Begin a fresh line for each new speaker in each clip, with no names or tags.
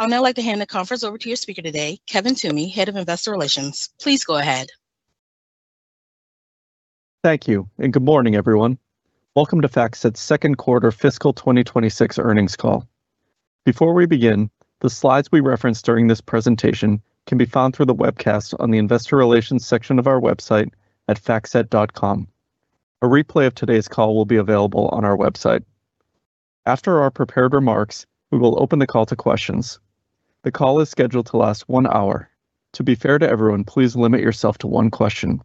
I'd now like to hand the conference over to your speaker today, Kevin Toomey, Head of Investor Relations. Please go ahead.
Thank you, and good morning, everyone. Welcome FactSet's second quarter fiscal 2026 earnings call. Before we begin, the slides we reference during this presentation can be found through the webcast on the Investor Relations section of our website at factset.com. A replay of today's call will be available on our website. After our prepared remarks, we will open the call to questions. The call is scheduled to last one hour. To be fair to everyone, please limit yourself to one question.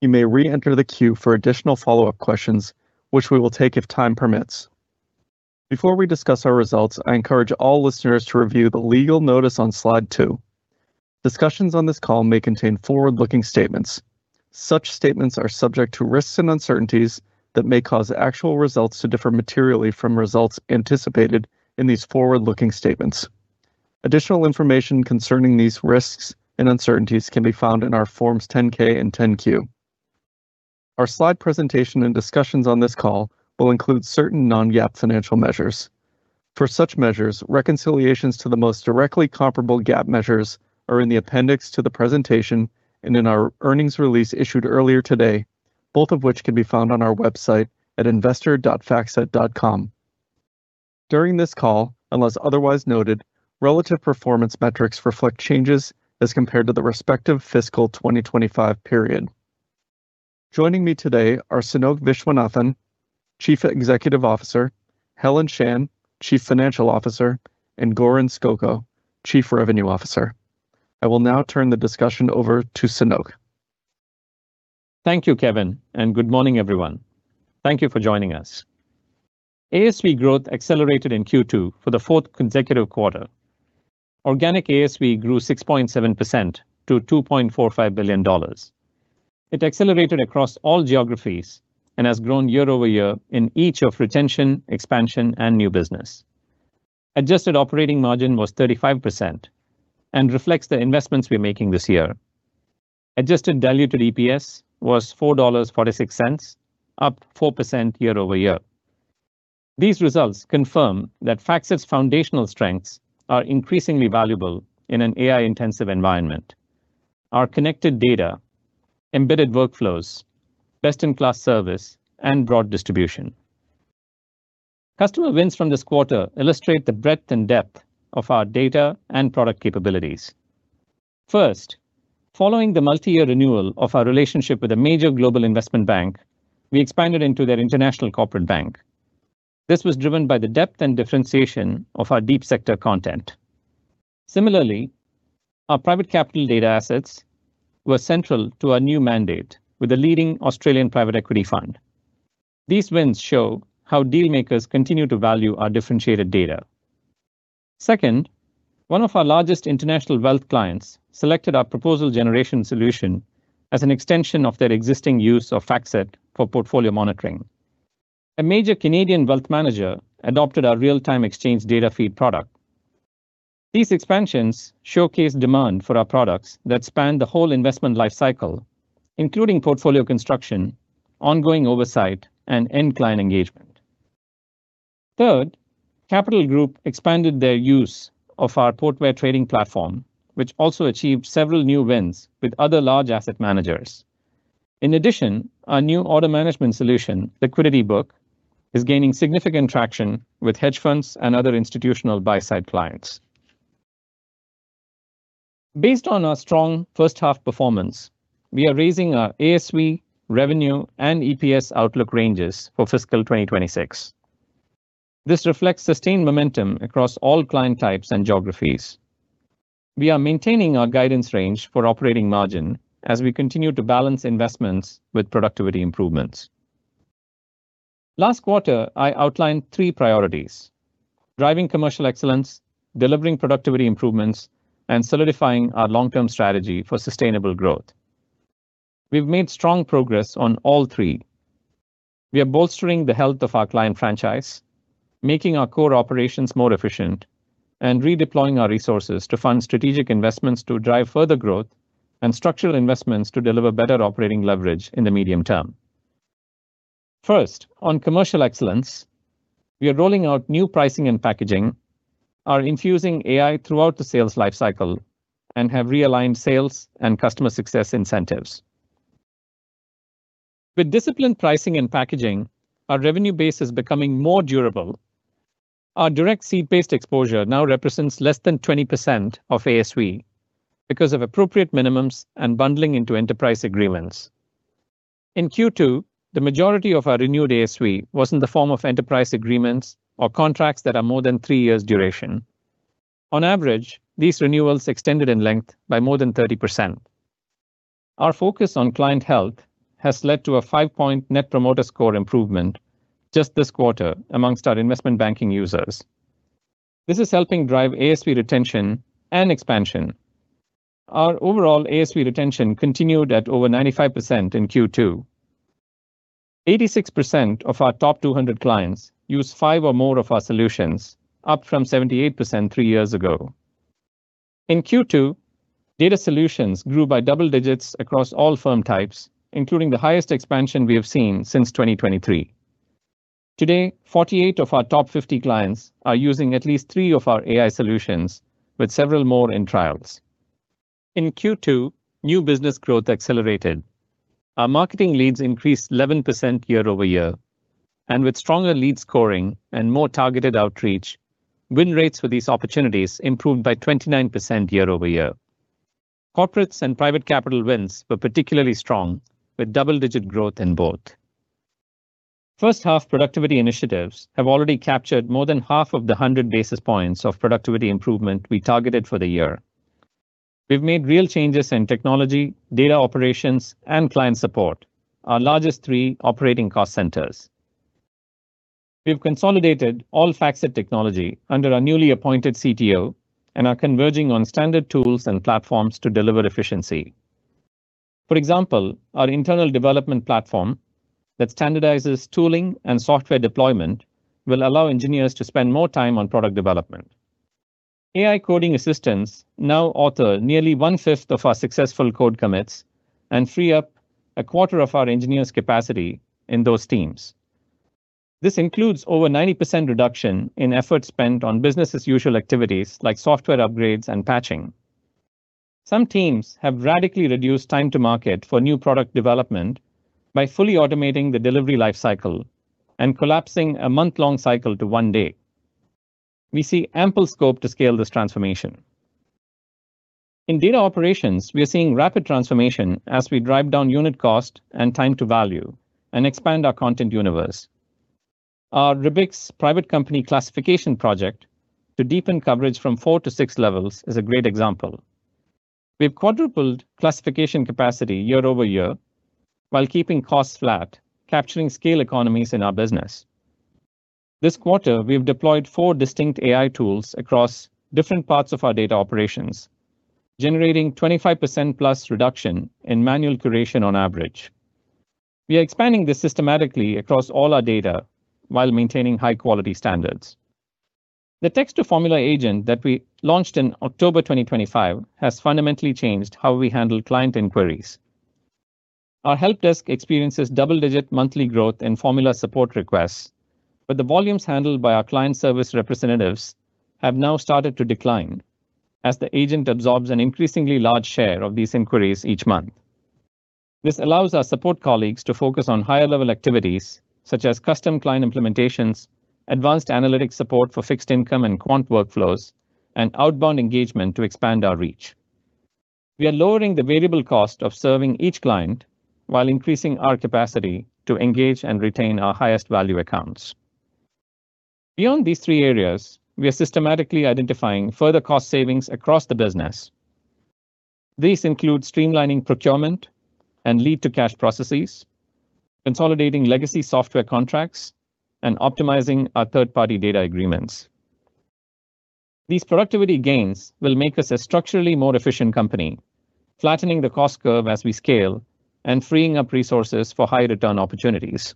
You may re-enter the queue for additional follow-up questions, which we will take if time permits. Before we discuss our results, I encourage all listeners to review the legal notice on slide 2. Discussions on this call may contain forward-looking statements. Such statements are subject to risks and uncertainties that may cause actual results to differ materially from results anticipated in these forward-looking statements. Additional information concerning these risks and uncertainties can be found in our Forms 10-K and 10-Q. Our slide presentation and discussions on this call will include certain non-GAAP financial measures. For such measures, reconciliations to the most directly comparable GAAP measures are in the appendix to the presentation and in our earnings release issued earlier today, both of which can be found on our website at investor.factset.com. During this call, unless otherwise noted, relative performance metrics reflect changes as compared to the respective fiscal 2025 period. Joining me today are Sanoke Viswanathan, Chief Executive Officer, Helen Shan, Chief Financial Officer, and Goran Skoko, Chief Revenue Officer. I will now turn the discussion over to Sanoke.
Thank you, Kevin, and good morning, everyone. Thank you for joining us. ASV growth accelerated in Q2 for the fourth consecutive quarter. Organic ASV grew 6.7% to $2.45 billion. It accelerated across all geographies and has grown year-over-year in each of retention, expansion, and new business. Adjusted operating margin was 35% and reflects the investments we're making this year. Adjusted diluted EPS was $4.46, up 4% year-over-year. These results confirm that FactSet's foundational strengths are increasingly valuable in an AI-intensive environment. Our connected data, embedded workflows, best-in-class service, and broad distribution. Customer wins from this quarter illustrate the breadth and depth of our data and product capabilities. First, following the multi-year renewal of our relationship with a major global investment bank, we expanded into their international corporate bank. This was driven by the depth and differentiation of our deep sector content. Similarly, our private capital data assets were central to our new mandate with the leading Australian private equity fund. These wins show how deal makers continue to value our differentiated data. Second, one of our largest international wealth clients selected our proposal generation solution as an extension of their existing use of FactSet for portfolio monitoring. A major Canadian wealth manager adopted our real-time exchange data feed product. These expansions showcase demand for our products that span the whole investment life cycle, including portfolio construction, ongoing oversight, and end client engagement. Third, Capital Group expanded their use of our Portware trading platform, which also achieved several new wins with other large asset managers. In addition, our new order management solution, LiquidityBook, is gaining significant traction with hedge funds and other institutional buy-side clients. Based on our strong first half performance, we are raising our ASV, revenue, and EPS outlook ranges for fiscal 2026. This reflects sustained momentum across all client types and geographies. We are maintaining our guidance range for operating margin as we continue to balance investments with productivity improvements. Last quarter, I outlined three priorities. Driving commercial excellence, delivering productivity improvements, and solidifying our long-term strategy for sustainable growth. We've made strong progress on all three. We are bolstering the health of our client franchise, making our core operations more efficient, and redeploying our resources to fund strategic investments to drive further growth and structural investments to deliver better operating leverage in the medium term. First, on commercial excellence, we are rolling out new pricing and packaging, are infusing AI throughout the sales life cycle, and have realigned sales and customer success incentives. With disciplined pricing and packaging, our revenue base is becoming more durable. Our direct seat-based exposure now represents less than 20% of ASV because of appropriate minimums and bundling into enterprise agreements. In Q2, the majority of our renewed ASV was in the form of enterprise agreements or contracts that are more than three years duration. On average, these renewals extended in length by more than 30%. Our focus on client health has led to a 5-point Net Promoter Score improvement just this quarter amongst our investment banking users. This is helping drive ASV retention and expansion. Our overall ASV retention continued at over 95% in Q2. 86% of our top 200 clients use five or more of our solutions, up from 78% three years ago. In Q2, data solutions grew by double digits across all firm types, including the highest expansion we have seen since 2023. Today, 48 of our top 50 clients are using at least three of our AI solutions with several more in trials. In Q2, new business growth accelerated. Our marketing leads increased 11% year-over-year, and with stronger lead scoring and more targeted outreach, win rates for these opportunities improved by 29% year-over-year. Corporates and private capital wins were particularly strong, with double-digit growth in both. First half productivity initiatives have already captured more than half of the 100 basis points of productivity improvement we targeted for the year. We've made real changes in technology, data operations, and client support, our largest three operating cost centers. We've consolidated all FactSet technology under our newly appointed CTO, and are converging on standard tools and platforms to deliver efficiency. For example, our internal development platform that standardizes tooling and software deployment will allow engineers to spend more time on product development. AI coding assistants now author nearly 1/5 of our successful code commits and free up a quarter of our engineers' capacity in those teams. This includes over 90% reduction in effort spent on business-as-usual activities like software upgrades and patching. Some teams have radically reduced time to market for new product development by fully automating the delivery life cycle and collapsing a month-long cycle to one day. We see ample scope to scale this transformation. In data operations, we are seeing rapid transformation as we drive down unit cost and time to value and expand our content universe. RBICS private company classification project to deepen coverage from four to six levels is a great example. We've quadrupled classification capacity year-over-year while keeping costs flat, capturing scale economies in our business. This quarter, we have deployed four distinct AI tools across different parts of our data operations, generating 25%+ reduction in manual curation on average. We are expanding this systematically across all our data while maintaining high-quality standards. The text-to-formula agent that we launched in October 2025 has fundamentally changed how we handle client inquiries. Our help desk experiences double-digit monthly growth in formula support requests, but the volumes handled by our client service representatives have now started to decline as the agent absorbs an increasingly large share of these inquiries each month. This allows our support colleagues to focus on higher-level activities such as custom client implementations, advanced analytics support for fixed income and quant workflows, and outbound engagement to expand our reach. We are lowering the variable cost of serving each client while increasing our capacity to engage and retain our highest value accounts. Beyond these three areas, we are systematically identifying further cost savings across the business. These include streamlining procurement and lead-to-cash processes, consolidating legacy software contracts, and optimizing our third-party data agreements. These productivity gains will make us a structurally more efficient company, flattening the cost curve as we scale and freeing up resources for high-return opportunities.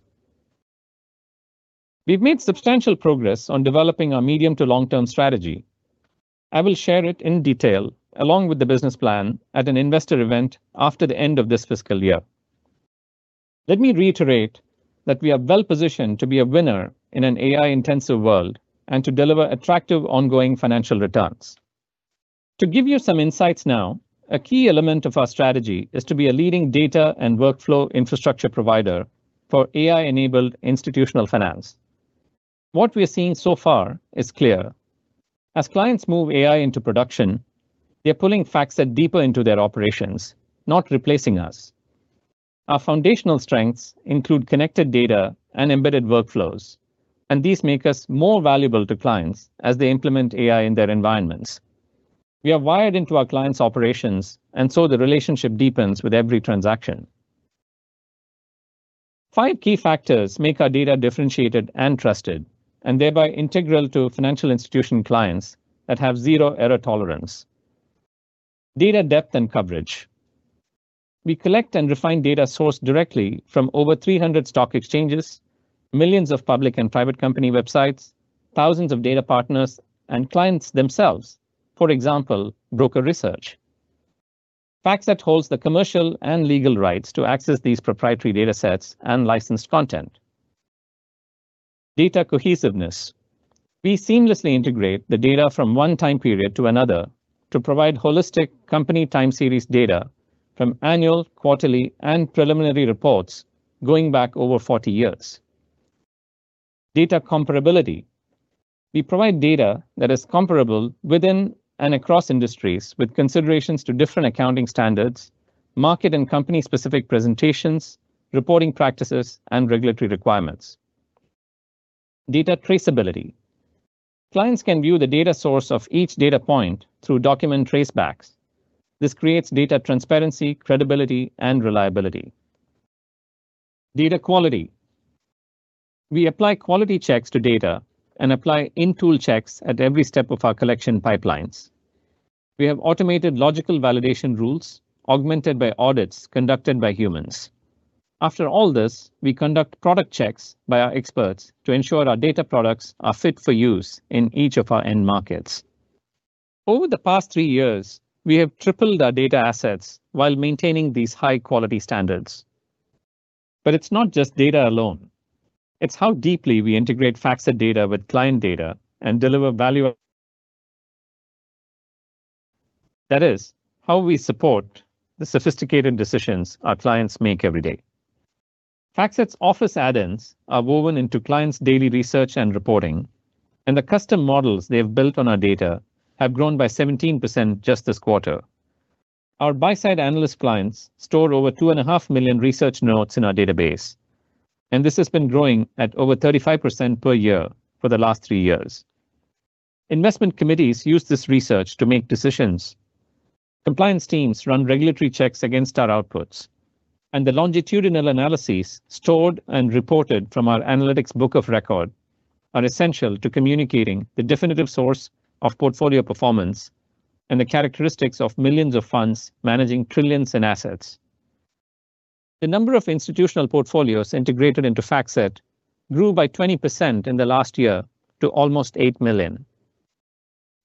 We've made substantial progress on developing our medium to long-term strategy. I will share it in detail along with the business plan at an investor event after the end of this fiscal year. Let me reiterate that we are well-positioned to be a winner in an AI-intensive world and to deliver attractive ongoing financial returns. To give you some insights now, a key element of our strategy is to be a leading data and workflow infrastructure provider for AI-enabled institutional finance. What we are seeing so far is clear. As clients move AI into production, they are pulling FactSet deeper into their operations, not replacing us. Our foundational strengths include connected data and embedded workflows, and these make us more valuable to clients as they implement AI in their environments. We are wired into our clients' operations, and so the relationship deepens with every transaction. Five key factors make our data differentiated and trusted, and thereby integral to financial institution clients that have zero error tolerance. Data depth, and coverage. We collect and refine data sourced directly from over 300 stock exchanges, millions of public and private company websites, thousands of data partners and clients themselves. For example, broker research. FactSet holds the commercial and legal rights to access these proprietary datasets and licensed content. Data cohesiveness. We seamlessly integrate the data from one time period to another to provide holistic company time series data from annual, quarterly, and preliminary reports going back over 40 years. Data comparability. We provide data that is comparable within and across industries with considerations to different accounting standards, market, and company-specific presentations, reporting practices, and regulatory requirements. Data traceability. Clients can view the data source of each data point through document trace backs. This creates data transparency, credibility, and reliability. Data quality. We apply quality checks to data and apply in-tool checks at every step of our collection pipelines. We have automated logical validation rules augmented by audits conducted by humans. After all this, we conduct product checks by our experts to ensure our data products are fit for use in each of our end markets. Over the past three years, we have tripled our data assets while maintaining these high-quality standards. It's not just data alone, it's how deeply we integrate FactSet data with client data and deliver value. That is how we support the sophisticated decisions our clients make every day. FactSet's office add-ins are woven into clients' daily research and reporting, and the custom models they've built on our data have grown by 17% just this quarter. Our buy-side analyst clients store over 2.5 million research notes in our database, and this has been growing at over 35% per year for the last three years. Investment committees use this research to make decisions. Compliance teams run regulatory checks against our outputs, and the longitudinal analyses stored and reported from our analytics book of record are essential to communicating the definitive source of portfolio performance and the characteristics of millions of funds managing trillions in assets. The number of institutional portfolios integrated into FactSet grew by 20% in the last year to almost 8 million.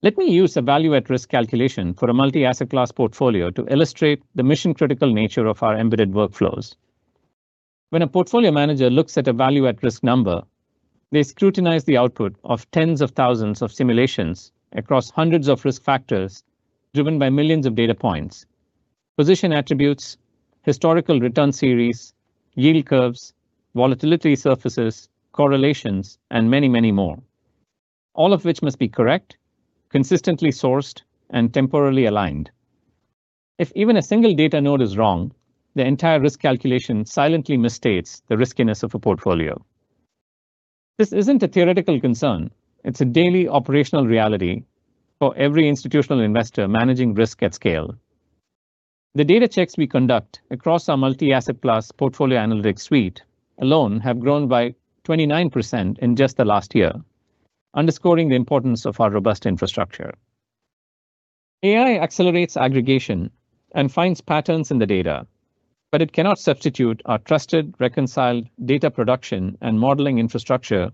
Let me use a value at risk calculation for a multi-asset class portfolio to illustrate the mission-critical nature of our embedded workflows. When a portfolio manager looks at a value at risk number, they scrutinize the output of tens of thousands of simulations across hundreds of risk factors driven by millions of data points, position attributes, historical return series, yield curves, volatility surfaces, correlations, and many, many more. All of which must be correct, consistently sourced, and temporally aligned. If even a single data node is wrong, the entire risk calculation silently misstates the riskiness of a portfolio. This isn't a theoretical concern, it's a daily operational reality for every institutional investor managing risk at scale. The data checks we conduct across our multi-asset class portfolio analytics suite alone have grown by 29% in just the last year, underscoring the importance of our robust infrastructure. AI accelerates aggregation and finds patterns in the data, but it cannot substitute our trusted, reconciled data production and modeling infrastructure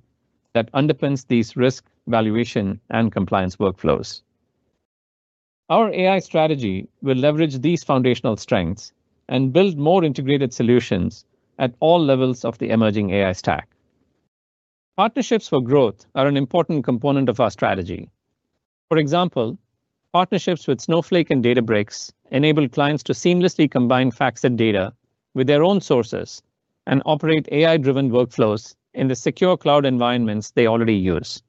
that underpins these risk valuation and compliance workflows. Our AI strategy will leverage these foundational strengths and build more integrated solutions at all levels of the emerging AI stack. Partnerships for growth are an important component of our strategy. For example, partnerships with Snowflake and Databricks enable clients to seamlessly combine FactSet data with their own sources and operate AI-driven workflows in the secure cloud environments they already use.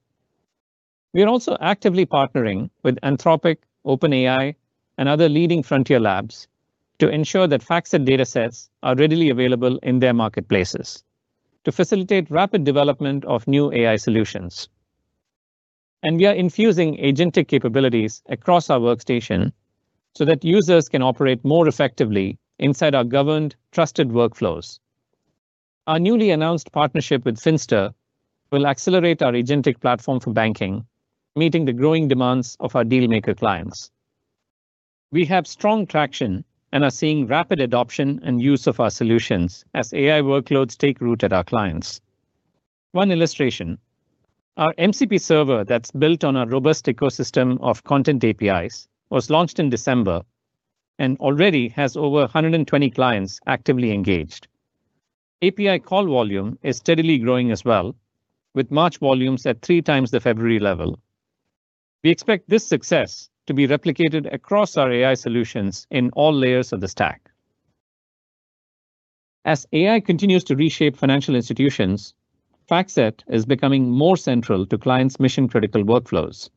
We are also actively partnering with Anthropic, OpenAI, and other leading frontier labs to ensure that FactSet datasets are readily available in their marketplaces to facilitate rapid development of new AI solutions. We are infusing agentic capabilities across our workstation so that users can operate more effectively inside our governed trusted workflows. Our newly announced partnership with Finster will accelerate our agentic platform for banking, meeting the growing demands of our deal maker clients. We have strong traction and are seeing rapid adoption and use of our solutions as AI workloads take root at our clients. One illustration, our MCP server that's built on our robust ecosystem of content APIs was launched in December and already has over 120 clients actively engaged. API call volume is steadily growing as well, with March volumes at three times the February level. We expect this success to be replicated across our AI solutions in all layers of the stack. As AI continues to reshape financial institutions, FactSet is becoming more central to clients' mission-critical workflows.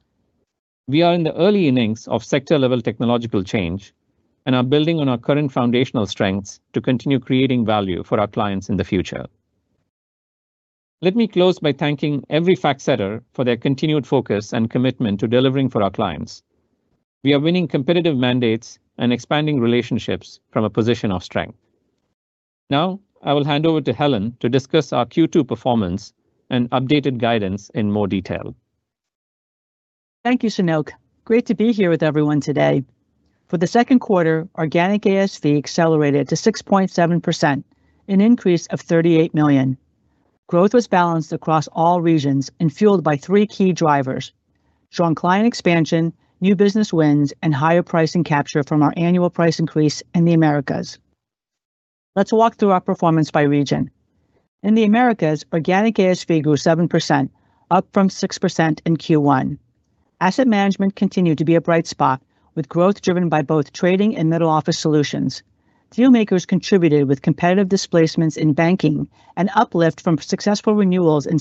We are in the early innings of sector-level technological change and are building on our current foundational strengths to continue creating value for our clients in the future. Let me close by thanking every FactSetter for their continued focus and commitment to delivering for our clients. We are winning competitive mandates and expanding relationships from a position of strength. Now, I will hand over to Helen to discuss our Q2 performance and updated guidance in more detail.
Thank you, Sanoke. Great to be here with everyone today. For the second quarter, organic ASV accelerated to 6.7%, an increase of $38 million. Growth was balanced across all regions and fueled by three key drivers, strong client expansion, new business wins, and higher pricing capture from our annual price increase in the Americas. Let's walk through our performance by region. In the Americas, organic ASV grew 7%, up from 6% in Q1. Asset management continued to be a bright spot, with growth driven by both trading and middle-office solutions. Deal makers contributed with competitive displacements in banking and uplift from successful renewals in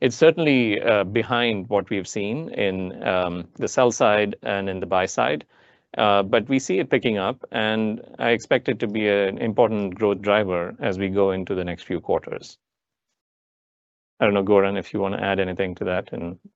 sell-side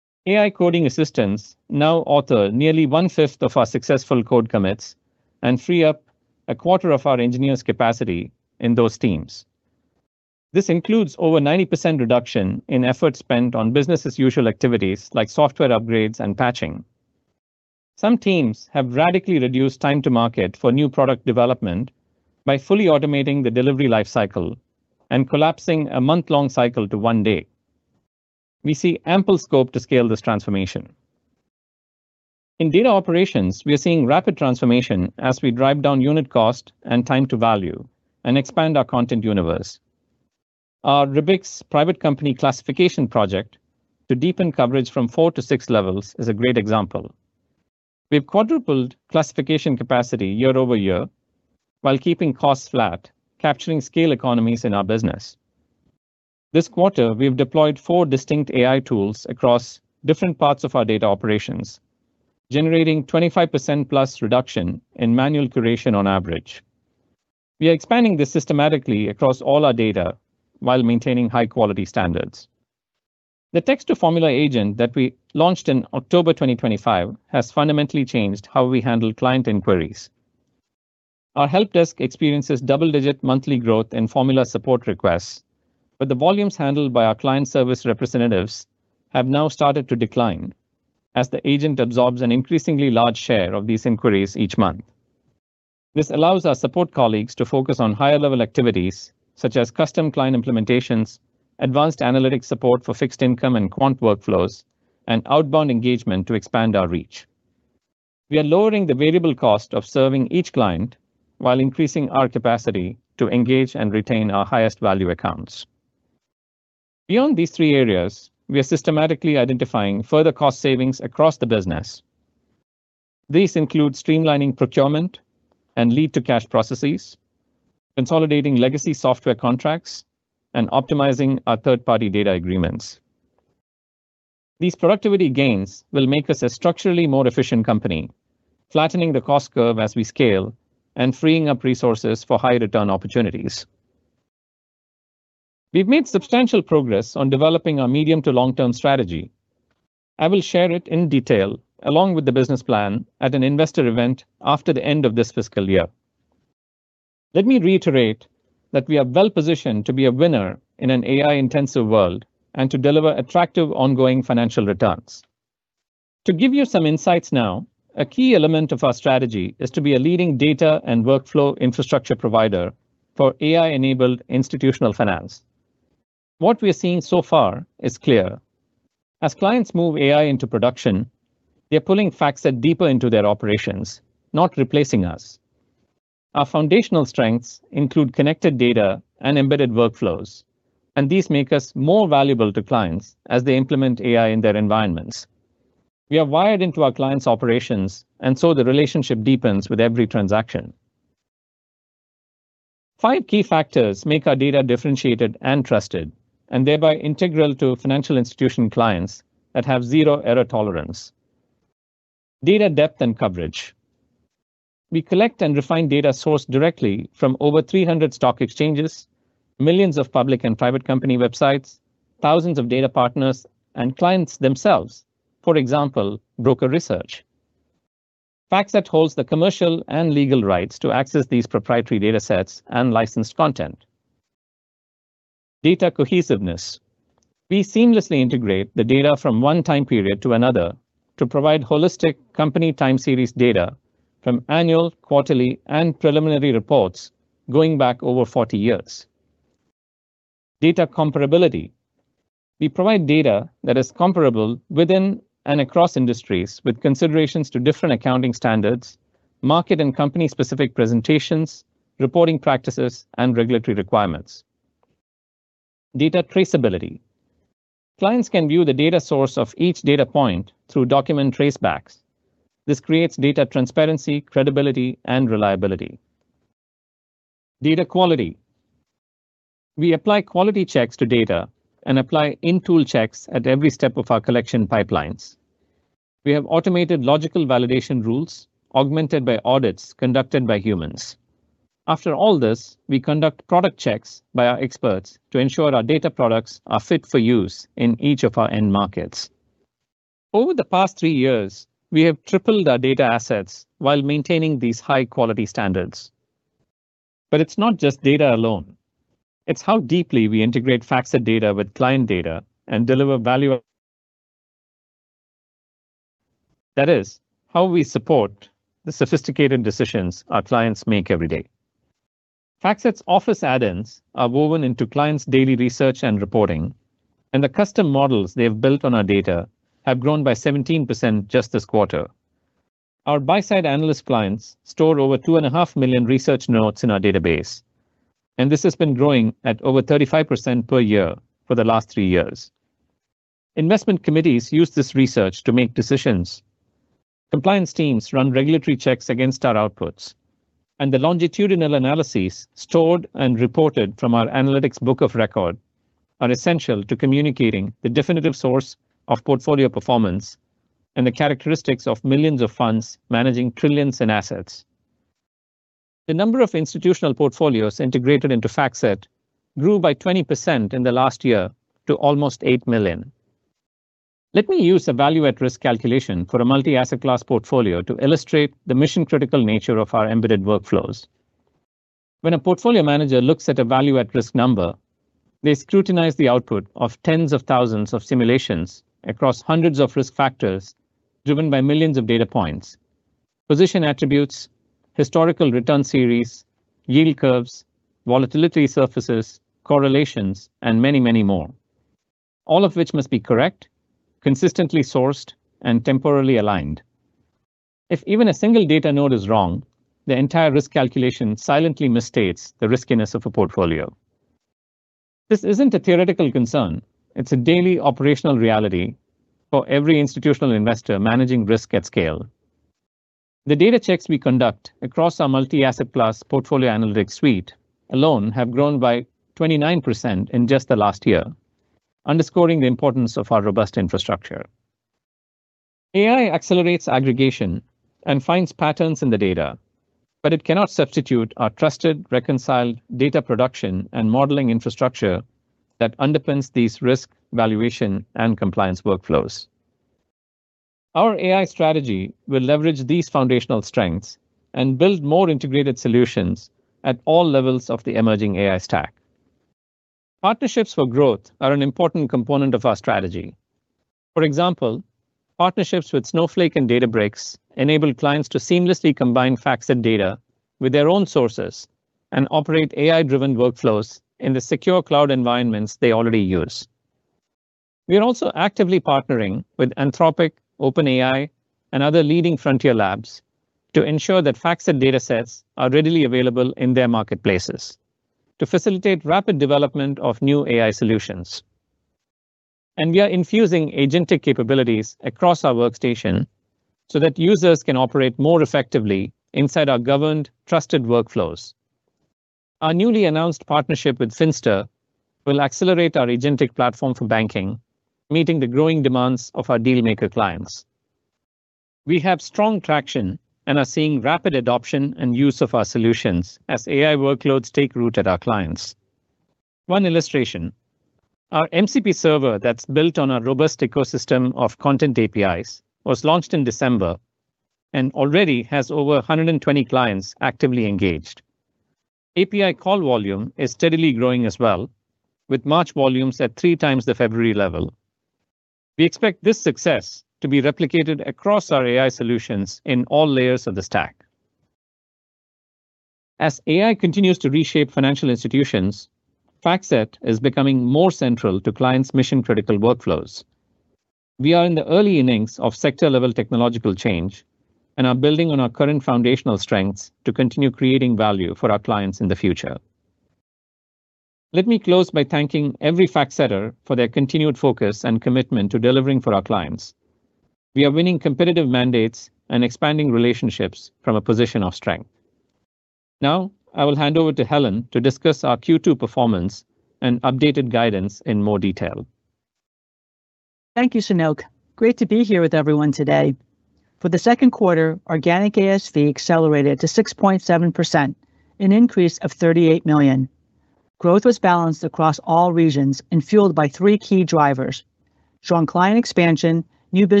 research.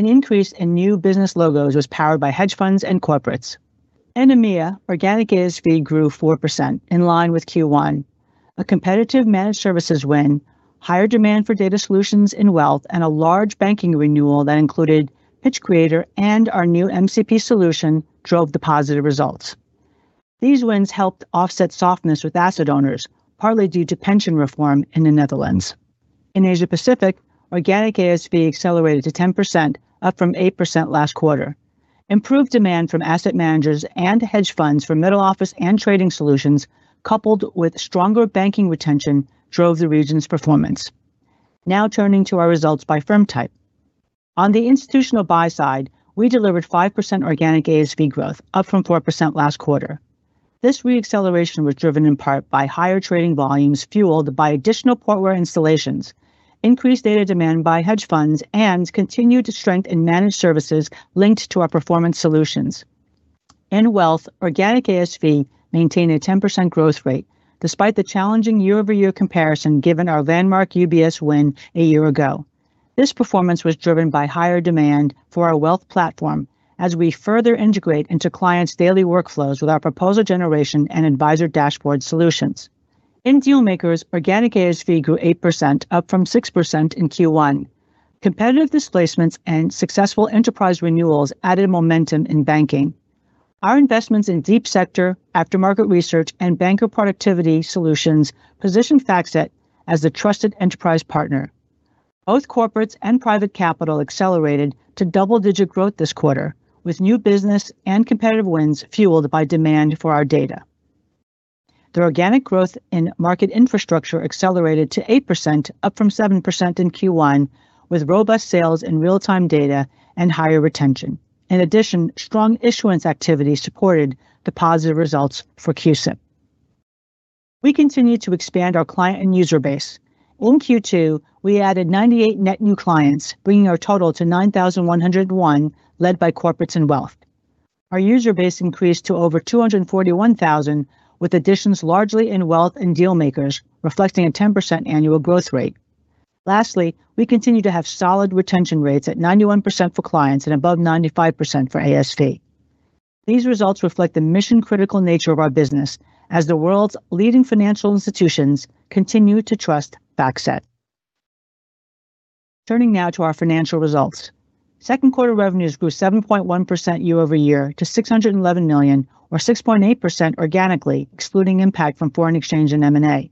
An increase in new business logos was powered by hedge funds and corporates. In EMEA, organic ASV grew 4%, in line with Q1. A competitive managed services win, higher demand for data solutions in wealth, and a large banking renewal that included Pitch Creator and our new MCP solution drove the positive results. These wins helped offset softness with asset owners, partly due to pension reform in the Netherlands. In Asia-Pacific, organic ASV accelerated to 10%, up from 8% last quarter. Improved demand from asset managers and hedge funds for middle office and trading solutions, coupled with stronger banking retention, drove the region's performance. Now turning to our results by firm type. On the institutional buy side, we delivered 5% organic ASV growth, up from 4% last quarter. This re-acceleration was driven in part by higher trading volumes fueled by additional Portware installations, increased data demand by hedge funds, and continued to strengthen managed services linked to our performance solutions. In wealth, organic ASV maintained a 10% growth rate despite the challenging year-over-year comparison given our landmark UBS win a year ago. This performance was driven by higher demand for our wealth platform as we further integrate into clients' daily workflows with our proposal generation and advisor dashboard solutions. In dealmakers, organic ASV grew 8%, up from 6% in Q1. Competitive displacements and successful enterprise renewals added momentum in banking. Our investments in deep sector, aftermarket research, and banker productivity solutions position FactSet as the trusted enterprise partner. Both corporates and private capital accelerated to double-digit growth this quarter, with new business and competitive wins fueled by demand for our data. The organic growth in market infrastructure accelerated to 8%, up from 7% in Q1, with robust sales in real-time data and higher retention. In addition, strong issuance activity supported the positive results for CUSIP. We continue to expand our client and user base. In Q2, we added 98 net new clients, bringing our total to 9,101, led by corporates and wealth. Our user base increased to over 241,000, with additions largely in wealth and dealmakers, reflecting a 10% annual growth rate. Lastly, we continue to have solid retention rates at 91% for clients and above 95% for ASV. These results reflect the mission-critical nature of our business as the world's leading financial institutions continue to trust FactSet. Turning now to our financial results. Second quarter revenues grew 7.1% year over year to $611 million, or 6.8% organically, excluding impact from foreign exchange and M&A.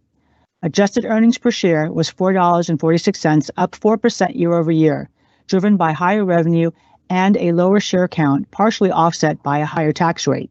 Adjusted earnings per share was $4.46, up 4% year-over-year, driven by higher revenue and a lower share count, partially offset by a higher tax rate.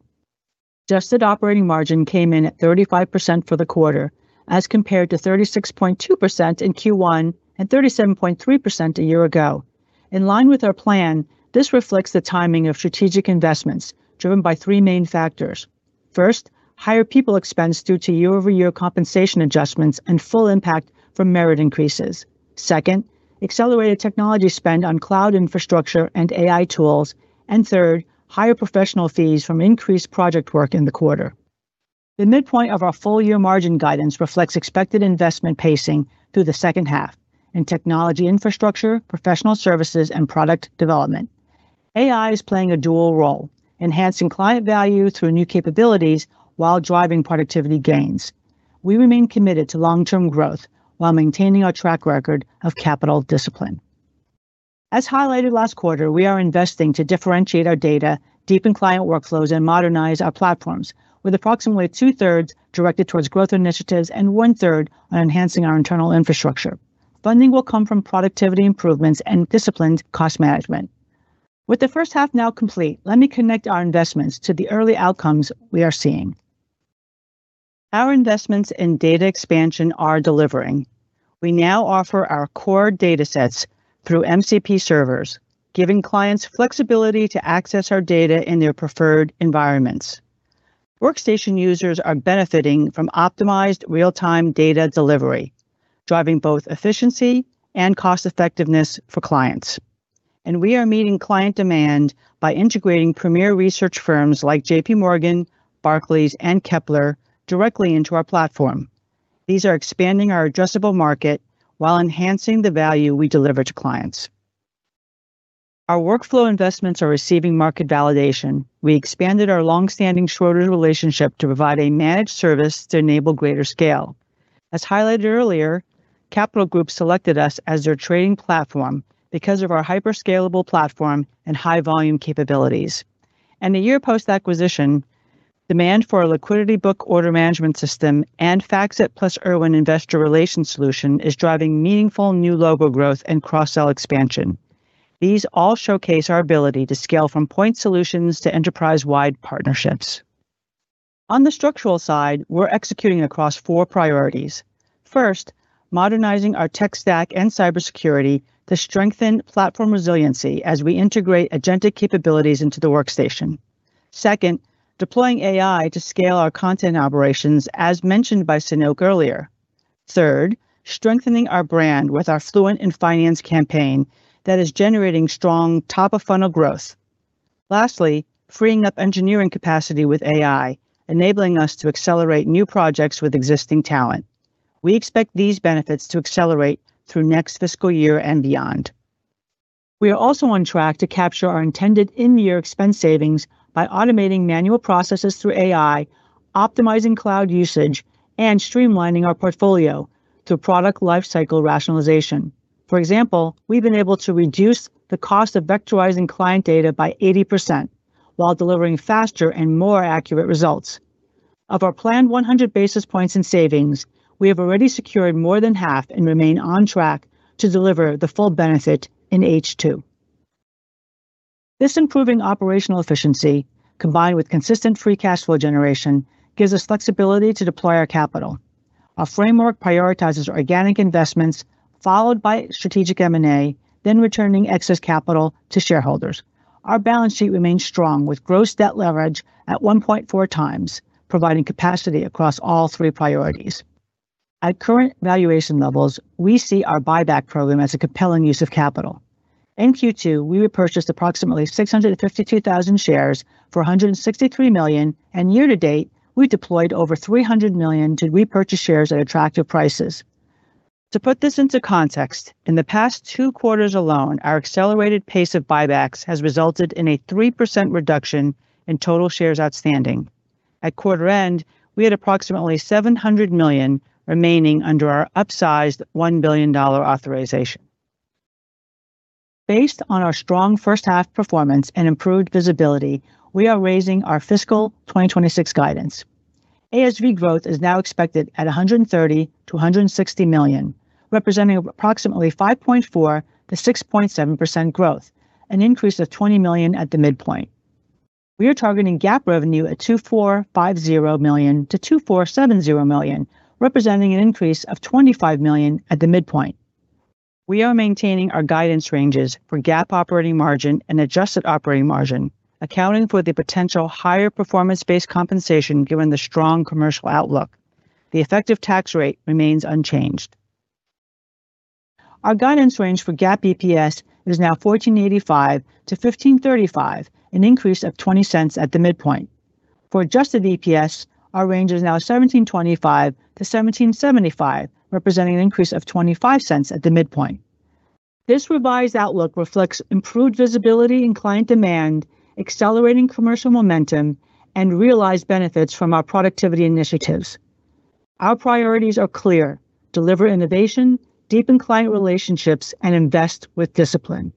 Adjusted operating margin came in at 35% for the quarter, as compared to 36.2% in Q1 and 37.3% a year ago. In line with our plan, this reflects the timing of strategic investments driven by three main factors. First, higher people expense due to year-over-year compensation adjustments and full impact from merit increases. Second, accelerated technology spend on cloud infrastructure and AI tools. Third, higher professional fees from increased project work in the quarter. The midpoint of our full-year margin guidance reflects expected investment pacing through the second half in technology infrastructure, professional services, and product development. AI is playing a dual role, enhancing client value through new capabilities while driving productivity gains. We remain committed to long-term growth while maintaining our track record of capital discipline. As highlighted last quarter, we are investing to differentiate our data, deepen client workflows, and modernize our platforms with approximately 2/3 directed towards growth initiatives and 1/3 on enhancing our internal infrastructure. Funding will come from productivity improvements and disciplined cost management. With the first half now complete, let me connect our investments to the early outcomes we are seeing. Our investments in data expansion are delivering. We now offer our core datasets through MCP servers, giving clients flexibility to access our data in their preferred environments. Workstation users are benefiting from optimized real-time data delivery, driving both efficiency and cost effectiveness for clients. We are meeting client demand by integrating premier research firms like JPMorgan, Barclays, and Kepler directly into our platform. These are expanding our addressable market while enhancing the value we deliver to clients. Our workflow investments are receiving market validation. We expanded our long-standing Schroders relationship to provide a managed service to enable greater scale. As highlighted earlier, Capital Group selected us as their trading platform because of our hyper-scalable platform and high-volume capabilities. A year post-acquisition, demand for a LiquidityBook order management system and FactSet + Irwin Investor Relations Solution is driving meaningful new logo growth and cross-sell expansion. These all showcase our ability to scale from point solutions to enterprise-wide partnerships. On the structural side, we're executing across four priorities. First, modernizing our tech stack and cybersecurity to strengthen platform resiliency as we integrate agentic capabilities into the workstation. Second, deploying AI to scale our content operations, as mentioned by Sanoke earlier. Third, strengthening our brand with our Fluent in Finance campaign that is generating strong top-of-funnel growth. Lastly, freeing up engineering capacity with AI, enabling us to accelerate new projects with existing talent. We expect these benefits to accelerate through next fiscal year and beyond. We are also on track to capture our intended in-year expense savings by automating manual processes through AI, optimizing cloud usage, and streamlining our portfolio through product life cycle rationalization. For example, we've been able to reduce the cost of vectorizing client data by 80% while delivering faster and more accurate results. Of our planned 100 basis points in savings, we have already secured more than half and remain on track to deliver the full benefit in H2. This improving operational efficiency, combined with consistent free cash flow generation, gives us flexibility to deploy our capital. Our framework prioritizes organic investments, followed by strategic M&A, then returning excess capital to shareholders. Our balance sheet remains strong with gross debt leverage at 1.4x, providing capacity across all three priorities. At current valuation levels, we see our buyback program as a compelling use of capital. In Q2, we repurchased approximately 652,000 shares for $163 million, and year to date, we deployed over $300 million to repurchase shares at attractive prices. To put this into context, in the past two quarters alone, our accelerated pace of buybacks has resulted in a 3% reduction in total shares outstanding. At quarter end, we had approximately $700 million remaining under our upsized $1 billion authorization. Based on our strong first-half performance and improved visibility, we are raising our fiscal 2026 guidance. ASV growth is now expected at $130 million-$160 million, representing approximately 5.4%-6.7% growth, an increase of $20 million at the midpoint. We are targeting GAAP revenue at $2,450 million-$2,470 million, representing an increase of $25 million at the midpoint. We are maintaining our guidance ranges for GAAP operating margin and adjusted operating margin, accounting for the potential higher performance-based compensation given the strong commercial outlook. The effective tax rate remains unchanged. Our guidance range for GAAP EPS is now $14.85-$15.35, an increase of $0.20 at the midpoint. For adjusted EPS, our range is now $17.25-$17.75, representing an increase of $0.25 at the midpoint. This revised outlook reflects improved visibility in client demand, accelerating commercial momentum, and realized benefits from our productivity initiatives. Our priorities are clear. Deliver innovation, deepen client relationships, and invest with discipline.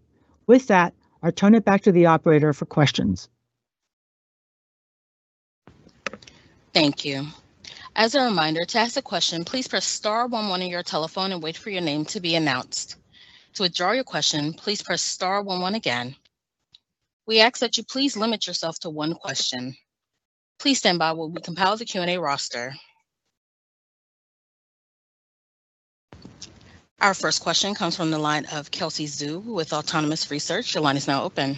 With that, I return it back to the operator for questions.
Thank you. As a reminder, to ask a question, please press star one one on your telephone and wait for your name to be announced. To withdraw your question, please press star one one again. We ask that you please limit yourself to one question. Please stand by while we compile the Q&A roster. Our first question comes from the line of Kelsey Zhu with Autonomous Research. Your line is now open.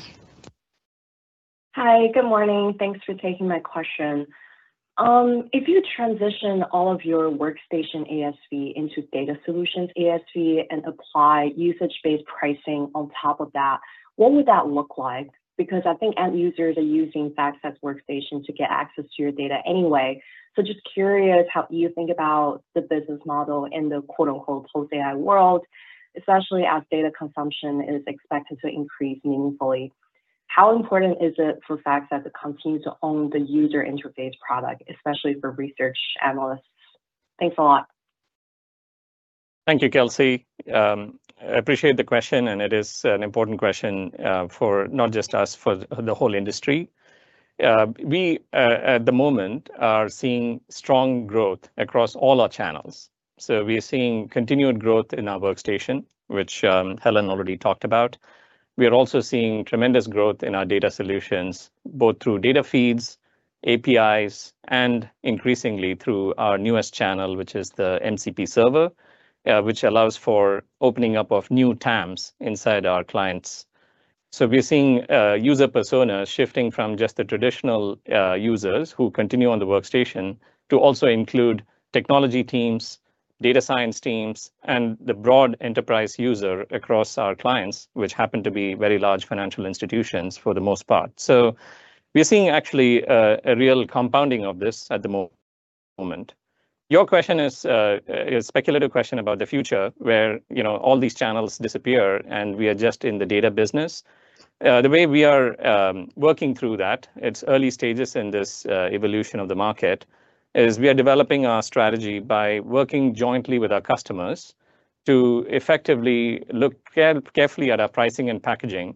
Hi. Good morning. Thanks for taking my question. If you transition all of your workstation ASV into data solutions ASV and apply usage-based pricing on top of that, what would that look like? Because I think end users are using FactSet workstation to get access to your data anyway. Just curious how you think about the business model in the quote-unquote post-AI world, especially as data consumption is expected to increase meaningfully. How important is it for FactSet to continue to own the user interface product, especially for research analysts? Thanks a lot.
Thank you, Kelsey. I appreciate the question, and it is an important question, for not just us, for the whole industry. We at the moment are seeing strong growth across all our channels. We are seeing continued growth in our workstation, which, Helen already talked about. We are also seeing tremendous growth in our data solutions, both through data feeds, APIs, and increasingly through our newest channel, which is the MCP server, which allows for opening up of new TAMs inside our clients. We're seeing user personas shifting from just the traditional users who continue on the workstation to also include technology teams, data science teams, and the broad enterprise user across our clients, which happen to be very large financial institutions for the most part. We're seeing actually a real compounding of this at the moment. Your question is a speculative question about the future, where, you know, all these channels disappear, and we are just in the data business. The way we are working through that, it's early stages in this evolution of the market, is we are developing our strategy by working jointly with our customers to effectively look carefully at our pricing and packaging,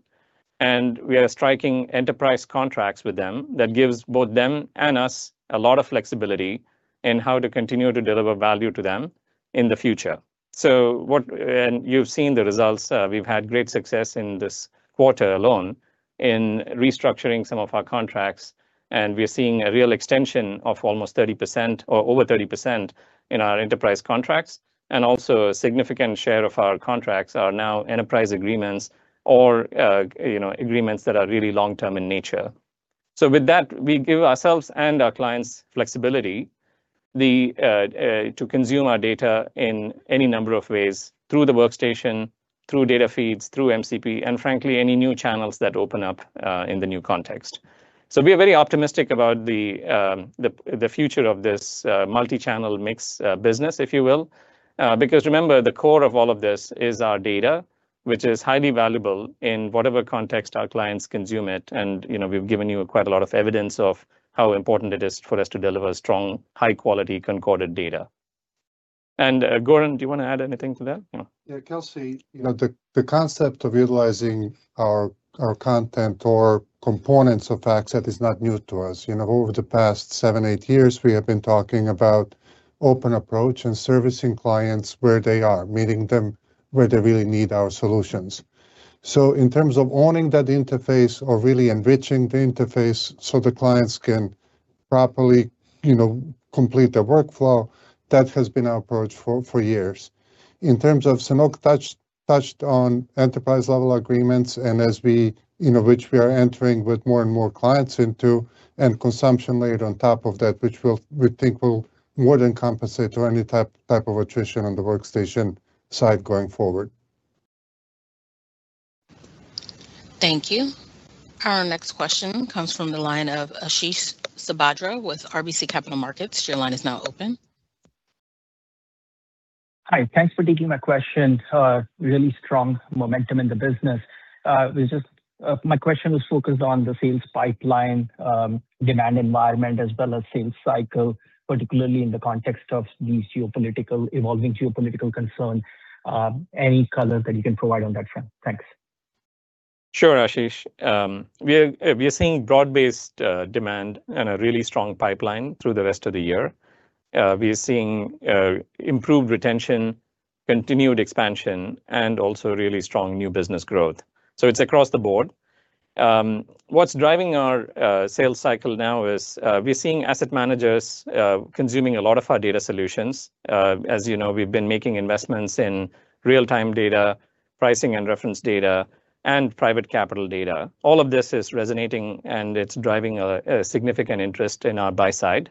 and we are striking enterprise contracts with them that gives both them and us a lot of flexibility in how to continue to deliver value to them in the future. You've seen the results. We've had great success in this quarter alone in restructuring some of our contracts, and we're seeing a real extension of almost 30% or over 30% in our enterprise contracts. Also a significant share of our contracts are now enterprise agreements or, you know, agreements that are really long-term in nature. With that, we give ourselves and our clients flexibility to consume our data in any number of ways, through the workstation, through data feeds, through MCP, and frankly, any new channels that open up in the new context. We are very optimistic about the future of this multichannel mix business, if you will. Because remember, the core of all of this is our data, which is highly valuable in whatever context our clients consume it. You know, we've given you quite a lot of evidence of how important it is for us to deliver strong, high-quality, concorded data. Goran, do you wanna add anything to that? You know?
Yeah, Kelsey, you know, the concept of utilizing our content or components of FactSet is not new to us. You know, over the past seven, eight years, we have been talking about open approach and servicing clients where they are, meeting them where they really need our solutions. In terms of owning that interface or really enriching the interface so the clients can properly, you know, complete the workflow, that has been our approach for years. In terms of Sanoke touched on enterprise-level agreements, and as we, you know, which we are entering with more and more clients into and consumption layered on top of that, which will, we think will more than compensate for any type of attrition on the workstation side going forward.
Thank you. Our next question comes from the line of Ashish Sabadra with RBC Capital Markets. Your line is now open.
Hi. Thanks for taking my question. Really strong momentum in the business. My question was focused on the sales pipeline, demand environment as well as sales cycle, particularly in the context of these evolving geopolitical concerns. Any color that you can provide on that front? Thanks.
Sure, Ashish. We're seeing broad-based demand and a really strong pipeline through the rest of the year. We are seeing improved retention, continued expansion, and also really strong new business growth. It's across the board. What's driving our sales cycle now is we're seeing asset managers consuming a lot of our data solutions. As you know, we've been making investments in real-time data, pricing and reference data, and private capital data. All of this is resonating, and it's driving a significant interest in our buy side.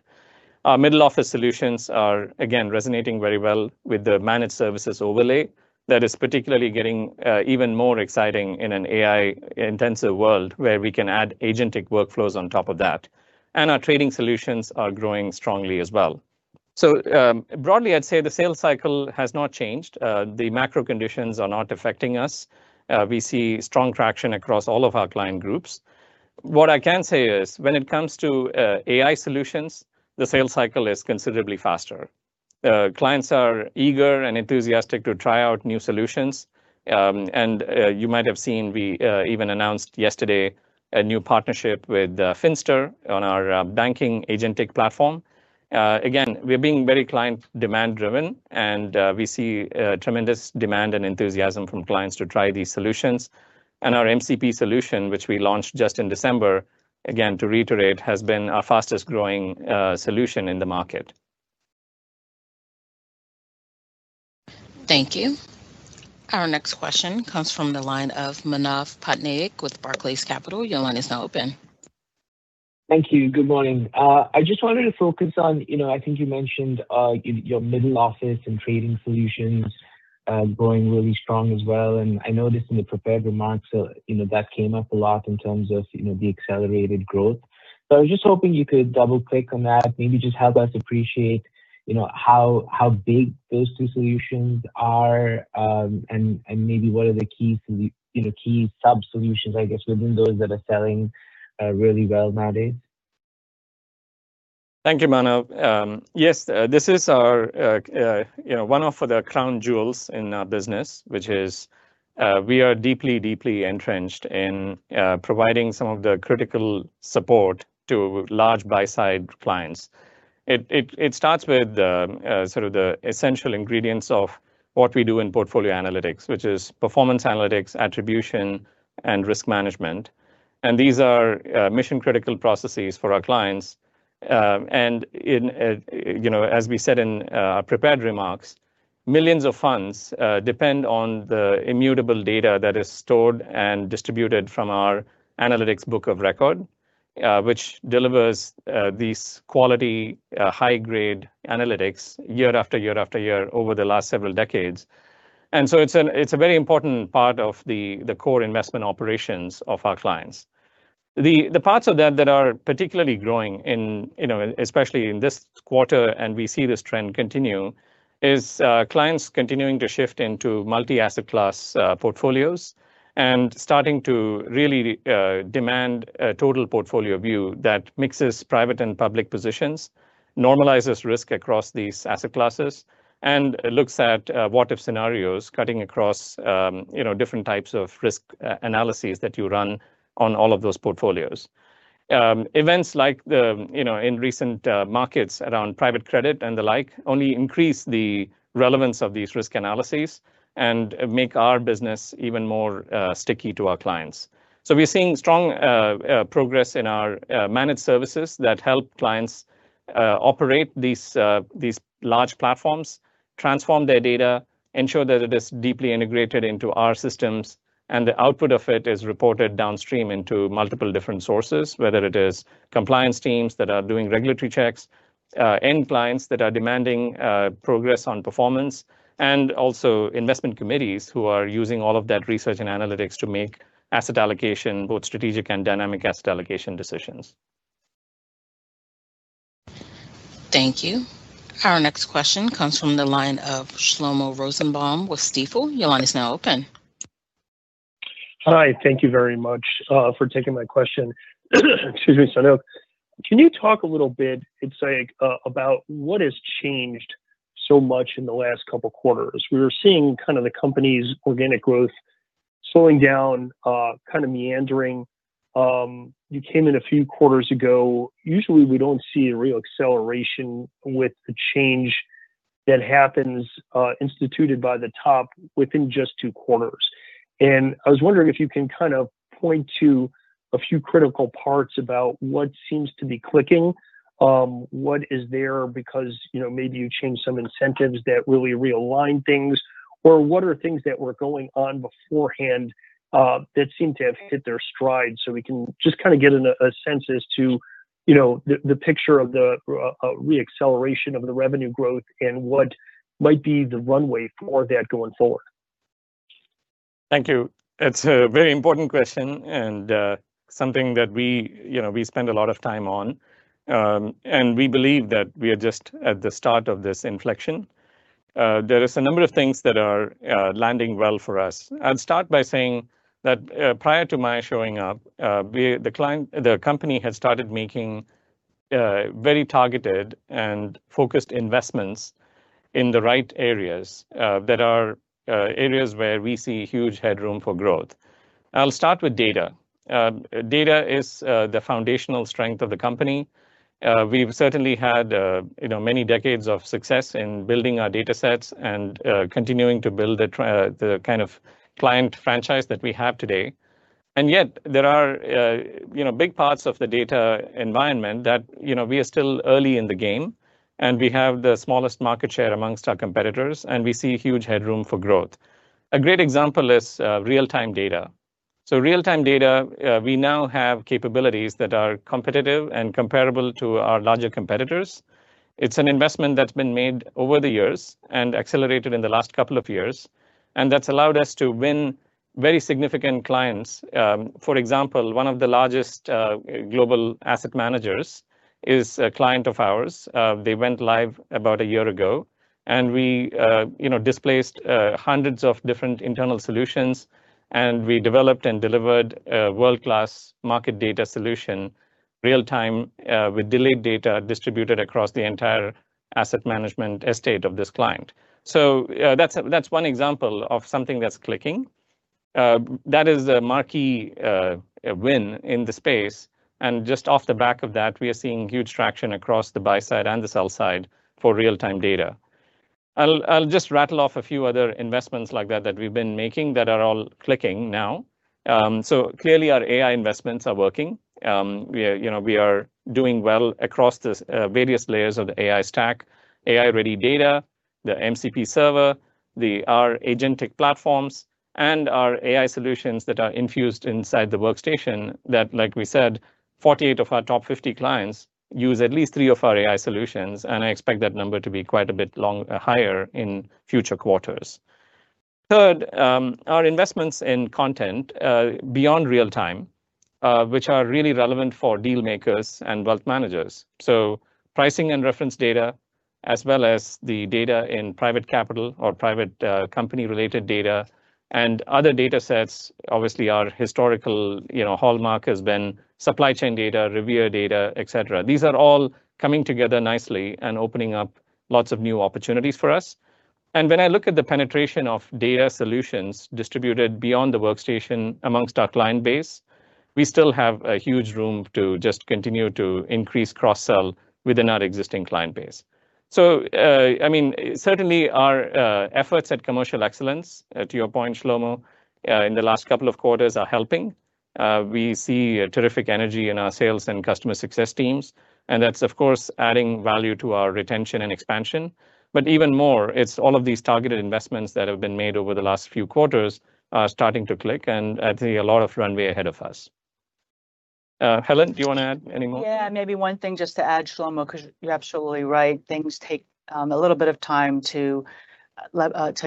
Our middle office solutions are, again, resonating very well with the managed services overlay that is particularly getting even more exciting in an AI-intensive world, where we can add agentic workflows on top of that. Our trading solutions are growing strongly as well. Broadly, I'd say the sales cycle has not changed. The macro conditions are not affecting us. We see strong traction across all of our client groups. What I can say is, when it comes to AI solutions, the sales cycle is considerably faster. Clients are eager and enthusiastic to try out new solutions. You might have seen we even announced yesterday a new partnership with Finster on our banking agentic platform. Again, we're being very client demand driven, and we see tremendous demand and enthusiasm from clients to try these solutions. Our MCP solution, which we launched just in December, again, to reiterate, has been our fastest-growing solution in the market.
Thank you. Our next question comes from the line of Manav Patnaik with Barclays Capital. Your line is now open.
Thank you. Good morning. I just wanted to focus on, you know, I think you mentioned your middle office and trading solutions growing really strong as well, and I noticed in the prepared remarks, you know, that came up a lot in terms of, you know, the accelerated growth. I was just hoping you could double-click on that, maybe just help us appreciate, you know, how big those two solutions are, and maybe what are the key sub-solutions, I guess, within those that are selling really well nowadays.
Thank you, Manav. Yes, this is our, you know, one of the crown jewels in our business, which is, we are deeply entrenched in, providing some of the critical support to large buy-side clients. It starts with the sort of the essential ingredients of what we do in portfolio analytics, which is performance analytics, attribution, and risk management. These are mission-critical processes for our clients. In, you know, as we said in our prepared remarks, millions of funds depend on the immutable data that is stored and distributed from our analytics book of record, which delivers these quality high-grade analytics year after year after year over the last several decades. It's a very important part of the core investment operations of our clients. The parts of that that are particularly growing in, you know, especially in this quarter, and we see this trend continue, is clients continuing to shift into multi-asset class portfolios and starting to really demand a total portfolio view that mixes private and public positions, normalizes risk across these asset classes, and looks at what-if scenarios cutting across, you know, different types of risk analyses that you run on all of those portfolios. Events like in recent markets around private credit and the like only increase the relevance of these risk analyses and make our business even more sticky to our clients. We're seeing strong progress in our managed services that help clients operate these large platforms, transform their data, ensure that it is deeply integrated into our systems, and the output of it is reported downstream into multiple different sources, whether it is compliance teams that are doing regulatory checks, end clients that are demanding progress on performance, and also investment committees who are using all of that research and analytics to make asset allocation, both strategic and dynamic asset allocation decisions.
Thank you. Our next question comes from the line of Shlomo Rosenbaum with Stifel. Your line is now open.
Hi. Thank you very much for taking my question. Excuse me, Sanoke. Can you talk a little bit, I'd say, about what has changed so much in the last couple quarters? We were seeing kind of the company's organic growth slowing down, kinda meandering. You came in a few quarters ago. Usually we don't see a real acceleration with the change that happens, instituted by the top within just two quarters. I was wondering if you can kind of point to a few critical parts about what seems to be clicking, what is there because, you know, maybe you changed some incentives that really realigned things, or what are things that were going on beforehand, that seem to have hit their stride, so we can just kinda get a sense as to, you know, the picture of the re-acceleration of the revenue growth and what might be the runway for that going forward?
Thank you. It's a very important question and, something that we, you know, we spend a lot of time on. We believe that we are just at the start of this inflection. There is a number of things that are landing well for us. I'll start by saying that, prior to my showing up, the company had started making, very targeted and focused investments in the right areas, that are, areas where we see huge headroom for growth. I'll start with data. Data is the foundational strength of the company. We've certainly had, you know, many decades of success in building our datasets and, continuing to build the kind of client franchise that we have today. Yet there are, you know, big parts of the data environment that, you know, we are still early in the game, and we have the smallest market share amongst our competitors, and we see huge headroom for growth. A great example is real-time data. Real-time data, we now have capabilities that are competitive and comparable to our larger competitors. It's an investment that's been made over the years and accelerated in the last couple of years, and that's allowed us to win very significant clients. For example, one of the largest global asset managers is a client of ours. They went live about a year ago, and we, you know, displaced hundreds of different internal solutions, and we developed and delivered a world-class market data solution real-time with delayed data distributed across the entire asset management estate of this client. That's one example of something that's clicking. That is a marquee win in the space. Just off the back of that, we are seeing huge traction across the buy side and the sell side for real-time data. I'll just rattle off a few other investments like that that we've been making that are all clicking now. Clearly our AI investments are working. We are, you know, doing well across the various layers of the AI stack, AI-ready data, the MCP server, our agent tech platforms, and our AI solutions that are infused inside the workstation that, like we said, 40 of our top 50 clients use at least three of our AI solutions, and I expect that number to be quite a bit higher in future quarters. Third, our investments in content beyond real-time, which are really relevant for deal makers and wealth managers. Pricing and reference data, as well as the data in private capital or private company-related data and other datasets. Obviously, our historical, you know, hallmark has been supply chain data, Revere data, etc. These are all coming together nicely and opening up lots of new opportunities for us. When I look at the penetration of data solutions distributed beyond the workstation amongst our client base, we still have a huge room to just continue to increase cross-sell within our existing client base. I mean, certainly our efforts at commercial excellence, to your point, Shlomo, in the last couple of quarters are helping. We see a terrific energy in our sales and customer success teams, and that's of course adding value to our retention and expansion. Even more, it's all of these targeted investments that have been made over the last few quarters are starting to click, and I'd say a lot of runway ahead of us. Helen, do you wanna add any more?
Yeah. Maybe one thing just to add, Shlomo, 'cause you're absolutely right. Things take a little bit of time to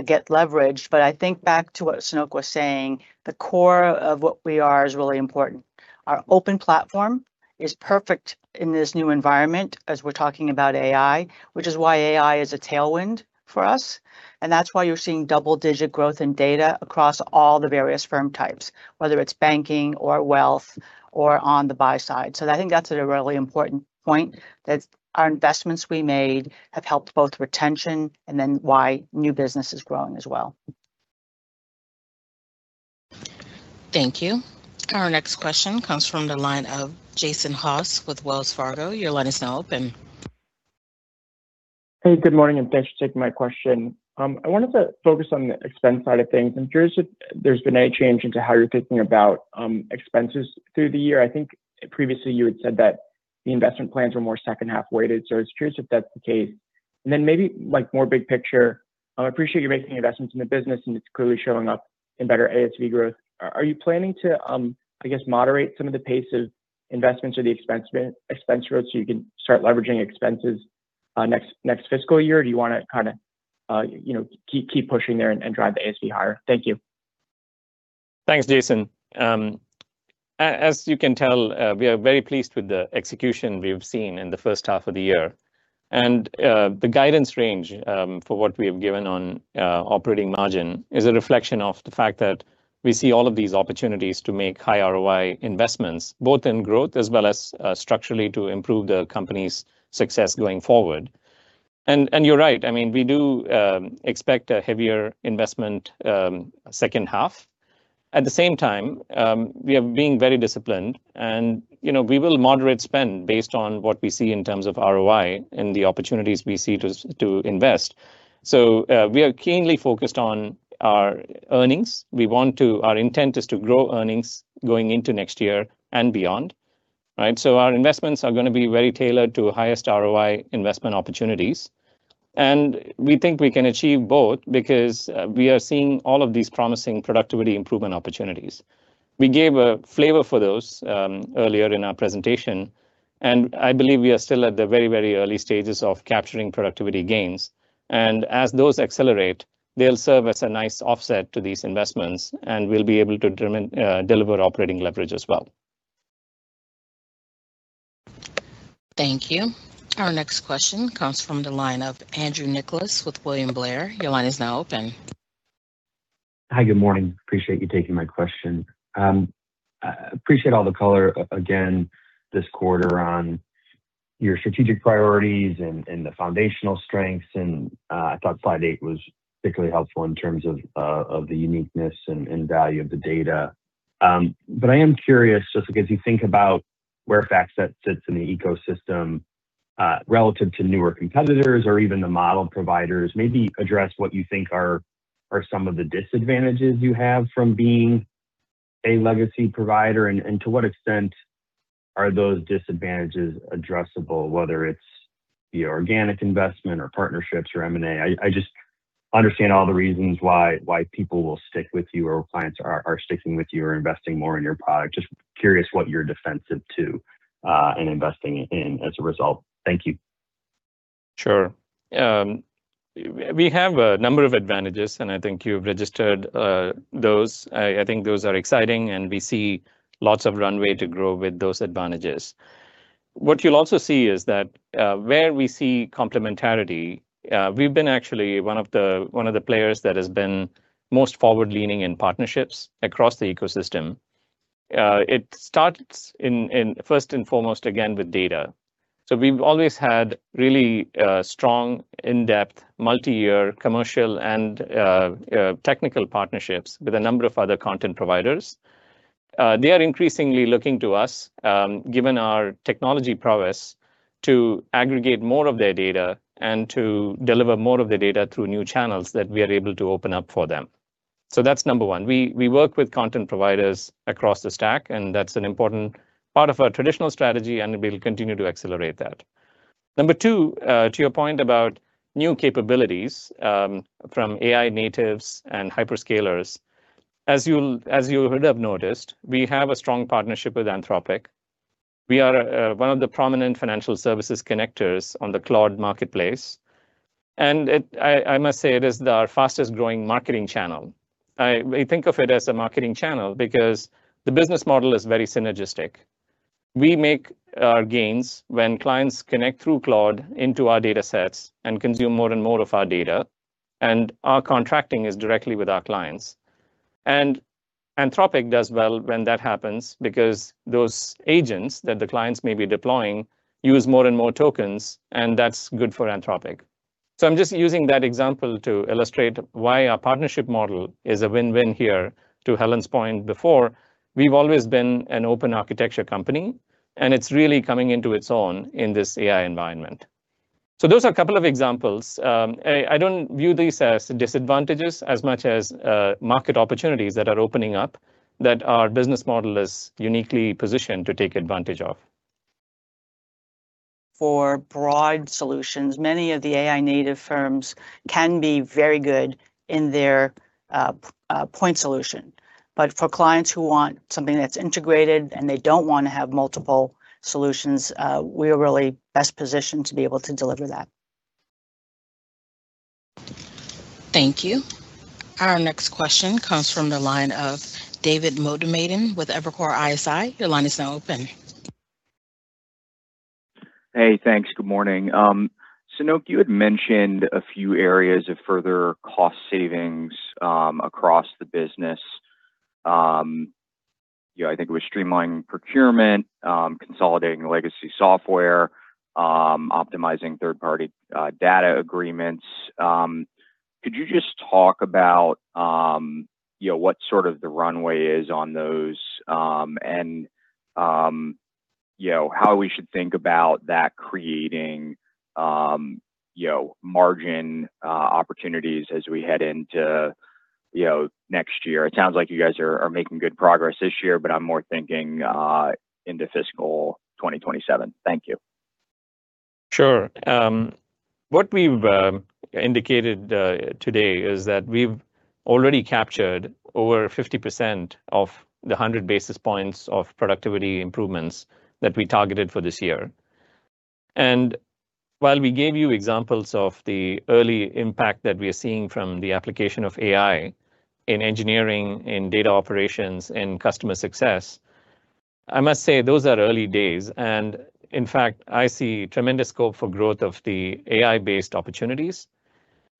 get leveraged. I think back to what Sanoke was saying, the core of what we are is really important. Our open platform is perfect in this new environment as we're talking about AI, which is why AI is a tailwind for us, and that's why you're seeing double-digit growth in data across all the various firm types, whether it's banking or wealth or on the buy side. I think that's a really important point, that our investments we made have helped both retention and then why new business is growing as well.
Thank you. Our next question comes from the line of Jason Haas with Wells Fargo. Your line is now open.
Hey, good morning, and thanks for taking my question. I wanted to focus on the expense side of things. I'm curious if there's been any change in how you're thinking about expenses through the year. I think previously you had said that the investment plans were more second-half weighted, so it's curious if that's the case. Then maybe, like, more big picture, I appreciate you're making investments in the business and it's clearly showing up in better ASV growth. Are you planning to, I guess, moderate some of the pace of investments or the expense growth so you can start leveraging expenses next fiscal year? Or do you wanna kinda, you know, keep pushing there and drive the ASV higher? Thank you.
Thanks, Jason. As you can tell, we are very pleased with the execution we have seen in the first half of the year. The guidance range for what we have given on operating margin is a reflection of the fact that we see all of these opportunities to make high ROI investments, both in growth as well as structurally to improve the company's success going forward. You're right, I mean, we do expect a heavier investment second half. At the same time, we are being very disciplined and, you know, we will moderate spend based on what we see in terms of ROI and the opportunities we see to invest. We are keenly focused on our earnings. Our intent is to grow earnings going into next year and beyond, right? Our investments are gonna be very tailored to highest ROI investment opportunities. We think we can achieve both because we are seeing all of these promising productivity improvement opportunities. We gave a flavor for those earlier in our presentation, and I believe we are still at the very, very early stages of capturing productivity gains. As those accelerate, they'll serve as a nice offset to these investments, and we'll be able to deliver operating leverage as well.
Thank you. Our next question comes from the line of Andrew Nicholas with William Blair. Your line is now open.
Hi, good morning. Appreciate you taking my question. Appreciate all the color again this quarter on your strategic priorities and the foundational strengths, and I thought slide 8 was particularly helpful in terms of the uniqueness and value of the data. I am curious just as you think about where FactSet sits in the ecosystem, relative to newer competitors or even the model providers, maybe address what you think are some of the disadvantages you have from being a legacy provider, and to what extent are those disadvantages addressable, whether it's your organic investment or partnerships or M&A? I just want to understand all the reasons why people will stick with you or clients are sticking with you or investing more in your product. Just curious what you're defensive to and investing in as a result. Thank you.
Sure. We have a number of advantages, and I think you've registered those. I think those are exciting, and we see lots of runway to grow with those advantages. What you'll also see is that, where we see complementarity, we've been actually one of the players that has been most forward-leaning in partnerships across the ecosystem. It starts in first and foremost, again, with data. So we've always had really strong in-depth multi-year commercial and technical partnerships with a number of other content providers. They are increasingly looking to us, given our technology prowess, to aggregate more of their data and to deliver more of the data through new channels that we are able to open up for them. So that's number one. We work with content providers across the stack, and that's an important part of our traditional strategy, and we'll continue to accelerate that. Number two, to your point about new capabilities from AI natives and hyperscalers. As you would have noticed, we have a strong partnership with Anthropic. We are one of the prominent financial services connectors on the Cloud marketplace. It is our fastest growing marketing channel. We think of it as a marketing channel because the business model is very synergistic. We make gains when clients connect through Claude into our datasets and consume more and more of our data, and our contracting is directly with our clients. Anthropic does well when that happens because those agents that the clients may be deploying use more and more tokens, and that's good for Anthropic. I'm just using that example to illustrate why our partnership model is a win-win here. To Helen's point before, we've always been an open architecture company, and it's really coming into its own in this AI environment. Those are a couple of examples. I don't view these as disadvantages as much as market opportunities that are opening up that our business model is uniquely positioned to take advantage of.
For broad solutions, many of the AI native firms can be very good in their point solution. For clients who want something that's integrated and they don't wanna have multiple solutions, we are really best positioned to be able to deliver that.
Thank you. Our next question comes from the line of David Motemaden with Evercore ISI. Your line is now open.
Hey, thanks. Good morning. Sanoke, you had mentioned a few areas of further cost savings across the business. You know, I think it was streamlining procurement, consolidating legacy software, optimizing third-party data agreements. Could you just talk about, you know, what sort of the runway is on those, and, you know, how we should think about that creating, you know, margin opportunities as we head into, you know, next year? It sounds like you guys are making good progress this year, but I'm more thinking into fiscal 2027. Thank you.
Sure. What we've indicated today is that we've already captured over 50% of the 100 basis points of productivity improvements that we targeted for this year. While we gave you examples of the early impact that we are seeing from the application of AI in engineering, in data operations, in customer success, I must say those are early days. In fact, I see tremendous scope for growth of the AI-based opportunities.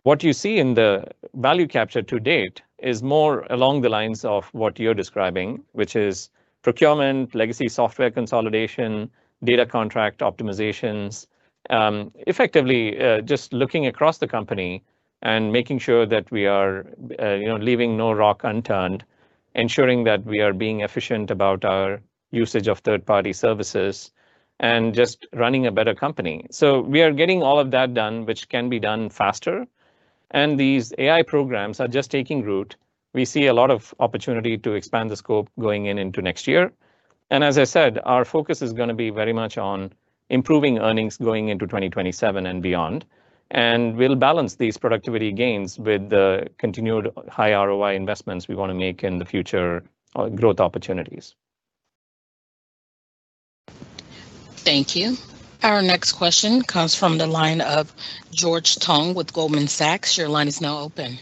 What you see in the value capture to date is more along the lines of what you're describing, which is procurement, legacy software consolidation, data contract optimizations. Effectively, just looking across the company and making sure that we are, you know, leaving no rock unturned, ensuring that we are being efficient about our usage of third-party services and just running a better company. We are getting all of that done, which can be done faster, and these AI programs are just taking root. We see a lot of opportunity to expand the scope going into next year. As I said, our focus is gonna be very much on improving earnings going into 2027 and beyond. We'll balance these productivity gains with the continued high ROI investments we wanna make in the future, growth opportunities.
Thank you. Our next question comes from the line of George Tong with Goldman Sachs. Your line is now open.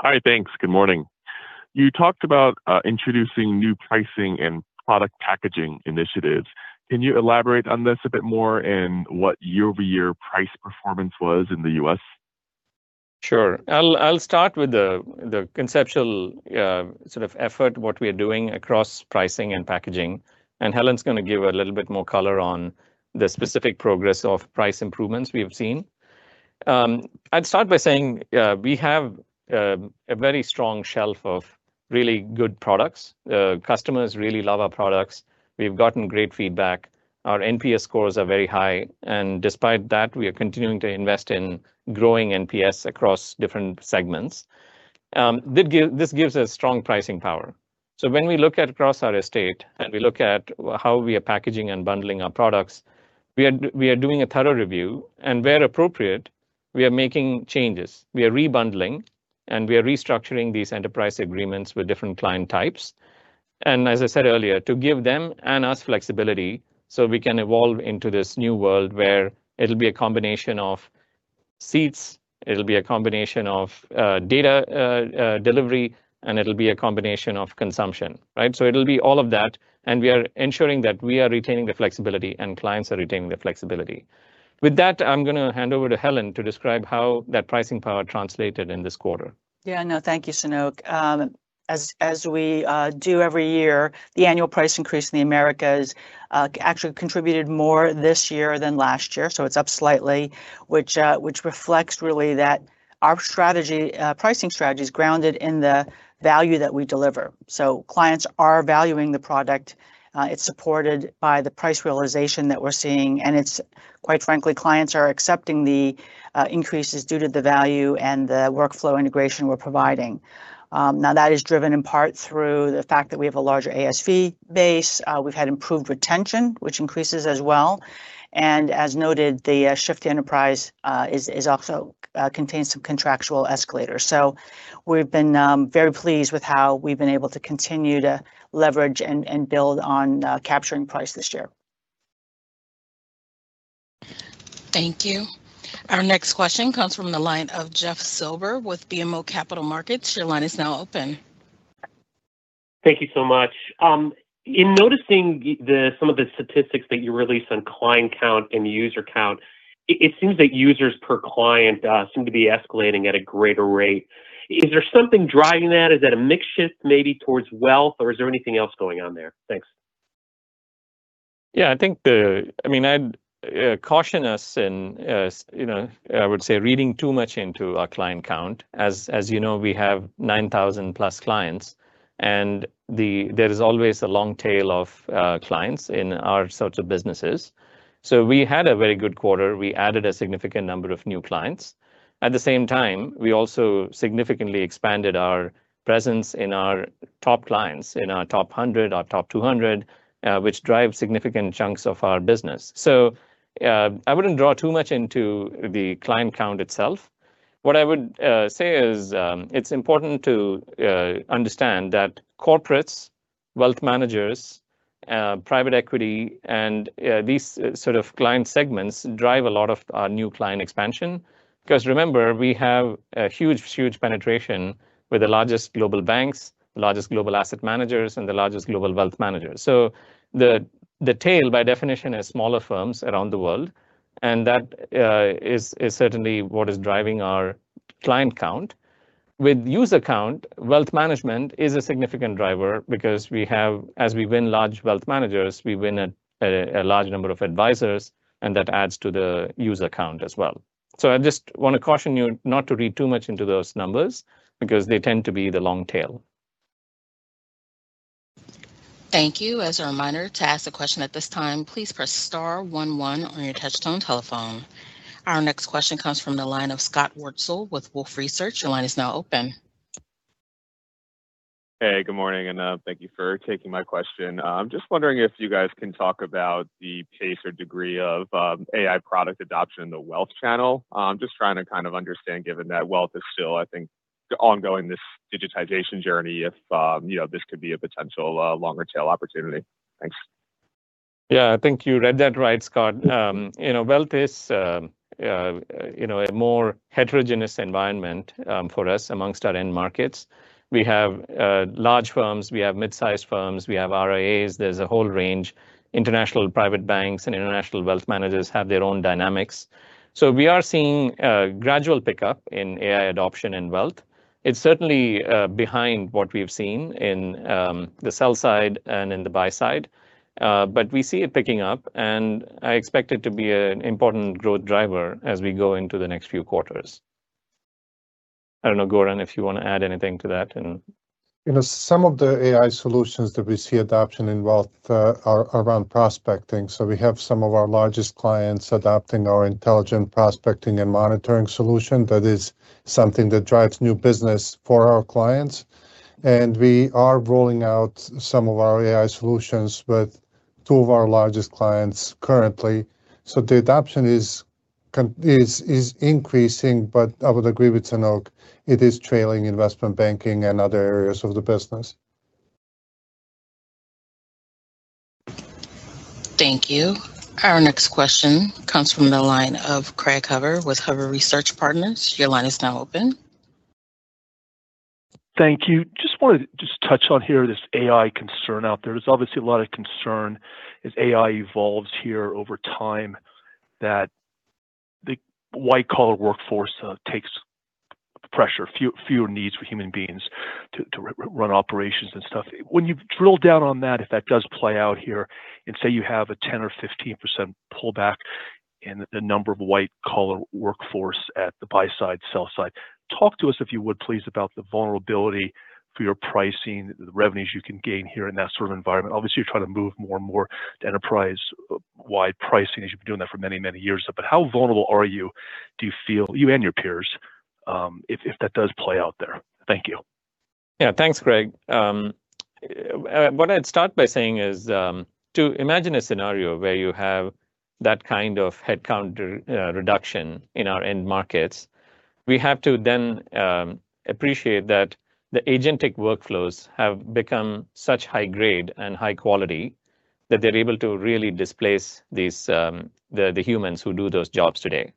Hi. Thanks. Good morning. You talked about introducing new pricing and product packaging initiatives. Can you elaborate on this a bit more and what year-over-year price performance was in the U.S.?
Sure. I'll start with the conceptual sort of effort, what we are doing across pricing and packaging, and Helen's gonna give a little bit more color on the specific progress of price improvements we have seen. I'd start by saying, we have a very strong shelf of really good products. Customers really love our products. We've gotten great feedback. Our NPS scores are very high, and despite that, we are continuing to invest in growing NPS across different segments. This gives us strong pricing power. When we look across our estate, and we look at how we are packaging and bundling our products, we are doing a thorough review, and where appropriate, we are making changes. We are rebundling, and we are restructuring these enterprise agreements with different client types. As I said earlier, to give them and us flexibility, so we can evolve into this new world where it'll be a combination of seats, it'll be a combination of data delivery, and it'll be a combination of consumption, right? It'll be all of that, and we are ensuring that we are retaining the flexibility, and clients are retaining the flexibility. With that, I'm gonna hand over to Helen to describe how that pricing power translated in this quarter.
Yeah, no, thank you, Sanoke. As we do every year, the annual price increase in the Americas actually contributed more this year than last year, so it's up slightly, which reflects really that our pricing strategy is grounded in the value that we deliver. Clients are valuing the product. It's supported by the price realization that we're seeing, and it's, quite frankly, clients are accepting the increases due to the value and the workflow integration we're providing. Now that is driven in part through the fact that we have a larger ASV base. We've had improved retention, which increases as well. As noted, the shift to enterprise is also contains some contractual escalators. We've been very pleased with how we've been able to continue to leverage and build on capturing price this year.
Thank you. Our next question comes from the line of Jeff Silber with BMO Capital Markets. Your line is now open.
Thank you so much. In noticing some of the statistics that you released on client count and user count, it seems that users per client seem to be escalating at a greater rate. Is there something driving that? Is that a mix shift maybe towards wealth, or is there anything else going on there? Thanks.
Yeah, I think, I mean, I'd caution us in, you know, I would say reading too much into our client count. As you know, we have 9,000+ clients, and there is always a long tail of clients in our sorts of businesses. We had a very good quarter. We added a significant number of new clients. At the same time, we also significantly expanded our presence in our top clients, in our top 100, our top 200, which drive significant chunks of our business. I wouldn't draw too much into the client count itself. What I would say is, it's important to understand that corporates, wealth managers, private equity, and these sort of client segments drive a lot of our new client expansion. 'Cause remember, we have a huge penetration with the largest global banks, largest global asset managers, and the largest global wealth managers. The tail, by definition, is smaller firms around the world, and that is certainly what is driving our client count. With user count, wealth management is a significant driver because as we win large wealth managers, we win a large number of advisors, and that adds to the user count as well. I just wanna caution you not to read too much into those numbers because they tend to be the long tail.
Thank you. As a reminder, to ask a question at this time, please press star one one on your touch tone telephone. Our next question comes from the line of Scott Wurtzel with Wolfe Research. Your line is now open.
Hey, good morning, and thank you for taking my question. I'm just wondering if you guys can talk about the pace or degree of AI product adoption in the wealth channel. I'm just trying to kind of understand, given that wealth is still, I think ongoing this digitization journey if you know, this could be a potential longer tail opportunity. Thanks.
Yeah. I think you read that right, Scott. You know, wealth is, you know, a more heterogeneous environment, for us amongst our end markets. We have, large firms, we have mid-sized firms, we have RIAs. There's a whole range. International private banks and international wealth managers have their own dynamics. So we are seeing a gradual pickup in AI adoption and wealth. It's certainly, behind what we've seen in, the sell side and in the buy side. But we see it picking up, and I expect it to be an important growth driver as we go into the next few quarters. I don't know, Goran, if you wanna add anything to that?
You know, some of the AI solutions that we see adoption in wealth are around prospecting. We have some of our largest clients adopting our intelligent prospecting and monitoring solution. That is something that drives new business for our clients, and we are rolling out some of our AI solutions with two of our largest clients currently. The adoption is increasing, but I would agree with Sanoke, it is trailing investment banking and other areas of the business.
Thank you. Our next question comes from the line of Craig Huber with Huber Research Partners. Your line is now open.
Thank you. Just wanted to touch on here this AI concern out there. There's obviously a lot of concern as AI evolves here over time that the white-collar workforce takes pressure, fewer needs for human beings to run operations and stuff. When you drill down on that, if that does play out here, and say you have a 10% or 15% pullback in the number of white-collar workforce at the buy side, sell side. Talk to us, if you would, please, about the vulnerability for your pricing, the revenues you can gain here in that sort of environment. Obviously, you're trying to move more and more to enterprise-wide pricing, as you've been doing that for many, many years. How vulnerable are you, do you feel, you and your peers, if that does play out there? Thank you.
Yeah. Thanks, Craig. What I'd start by saying is to imagine a scenario where you have that kind of headcount reduction in our end markets. We have to then appreciate that the agentic workflows have become such high grade and high quality that they're able to really displace these, the humans who do those jobs today.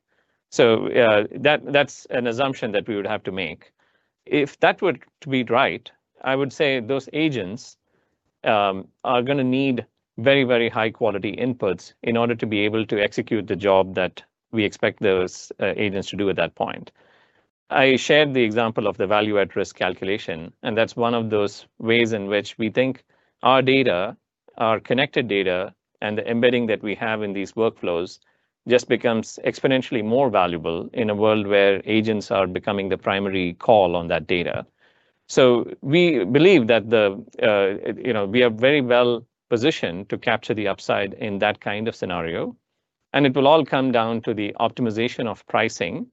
That's an assumption that we would have to make. If that were to be right, I would say those agents are gonna need very, very high-quality inputs in order to be able to execute the job that we expect those agents to do at that point. I shared the example of the value at risk calculation, and that's one of those ways in which we think our data, our connected data, and the embedding that we have in these workflows just becomes exponentially more valuable in a world where agents are becoming the primary call on that data. We believe that the, you know, we are very well-positioned to capture the upside in that kind of scenario, and it will all come down to the optimization of pricing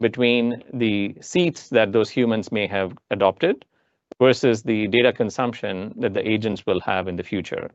between the seats that those humans may have adopted versus the data consumption that the agents will have in the future.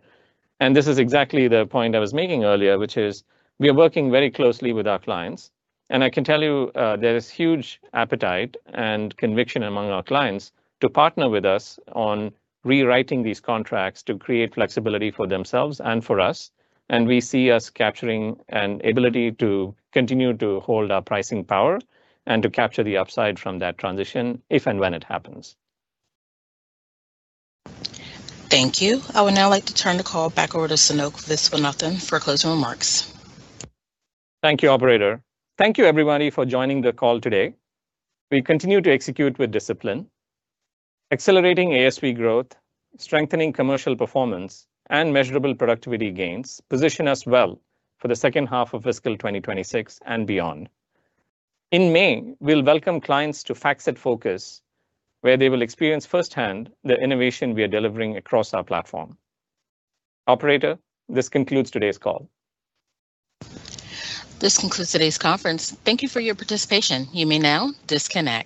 This is exactly the point I was making earlier, which is we are working very closely with our clients. I can tell you, there is huge appetite and conviction among our clients to partner with us on rewriting these contracts to create flexibility for themselves and for us. We see us capturing an ability to continue to hold our pricing power and to capture the upside from that transition if and when it happens.
Thank you. I would now like to turn the call back over to Sanoke Viswanathan for closing remarks.
Thank you, operator. Thank you everybody for joining the call today. We continue to execute with discipline, accelerating ASV growth, strengthening commercial performance, and measurable productivity gains position us well for the second half of fiscal 2026 and beyond. In May, we'll welcome clients to FactSet FOCUS, where they will experience firsthand the innovation we are delivering across our platform. Operator, this concludes today's call.
This concludes today's conference. Thank you for your participation. You may now disconnect.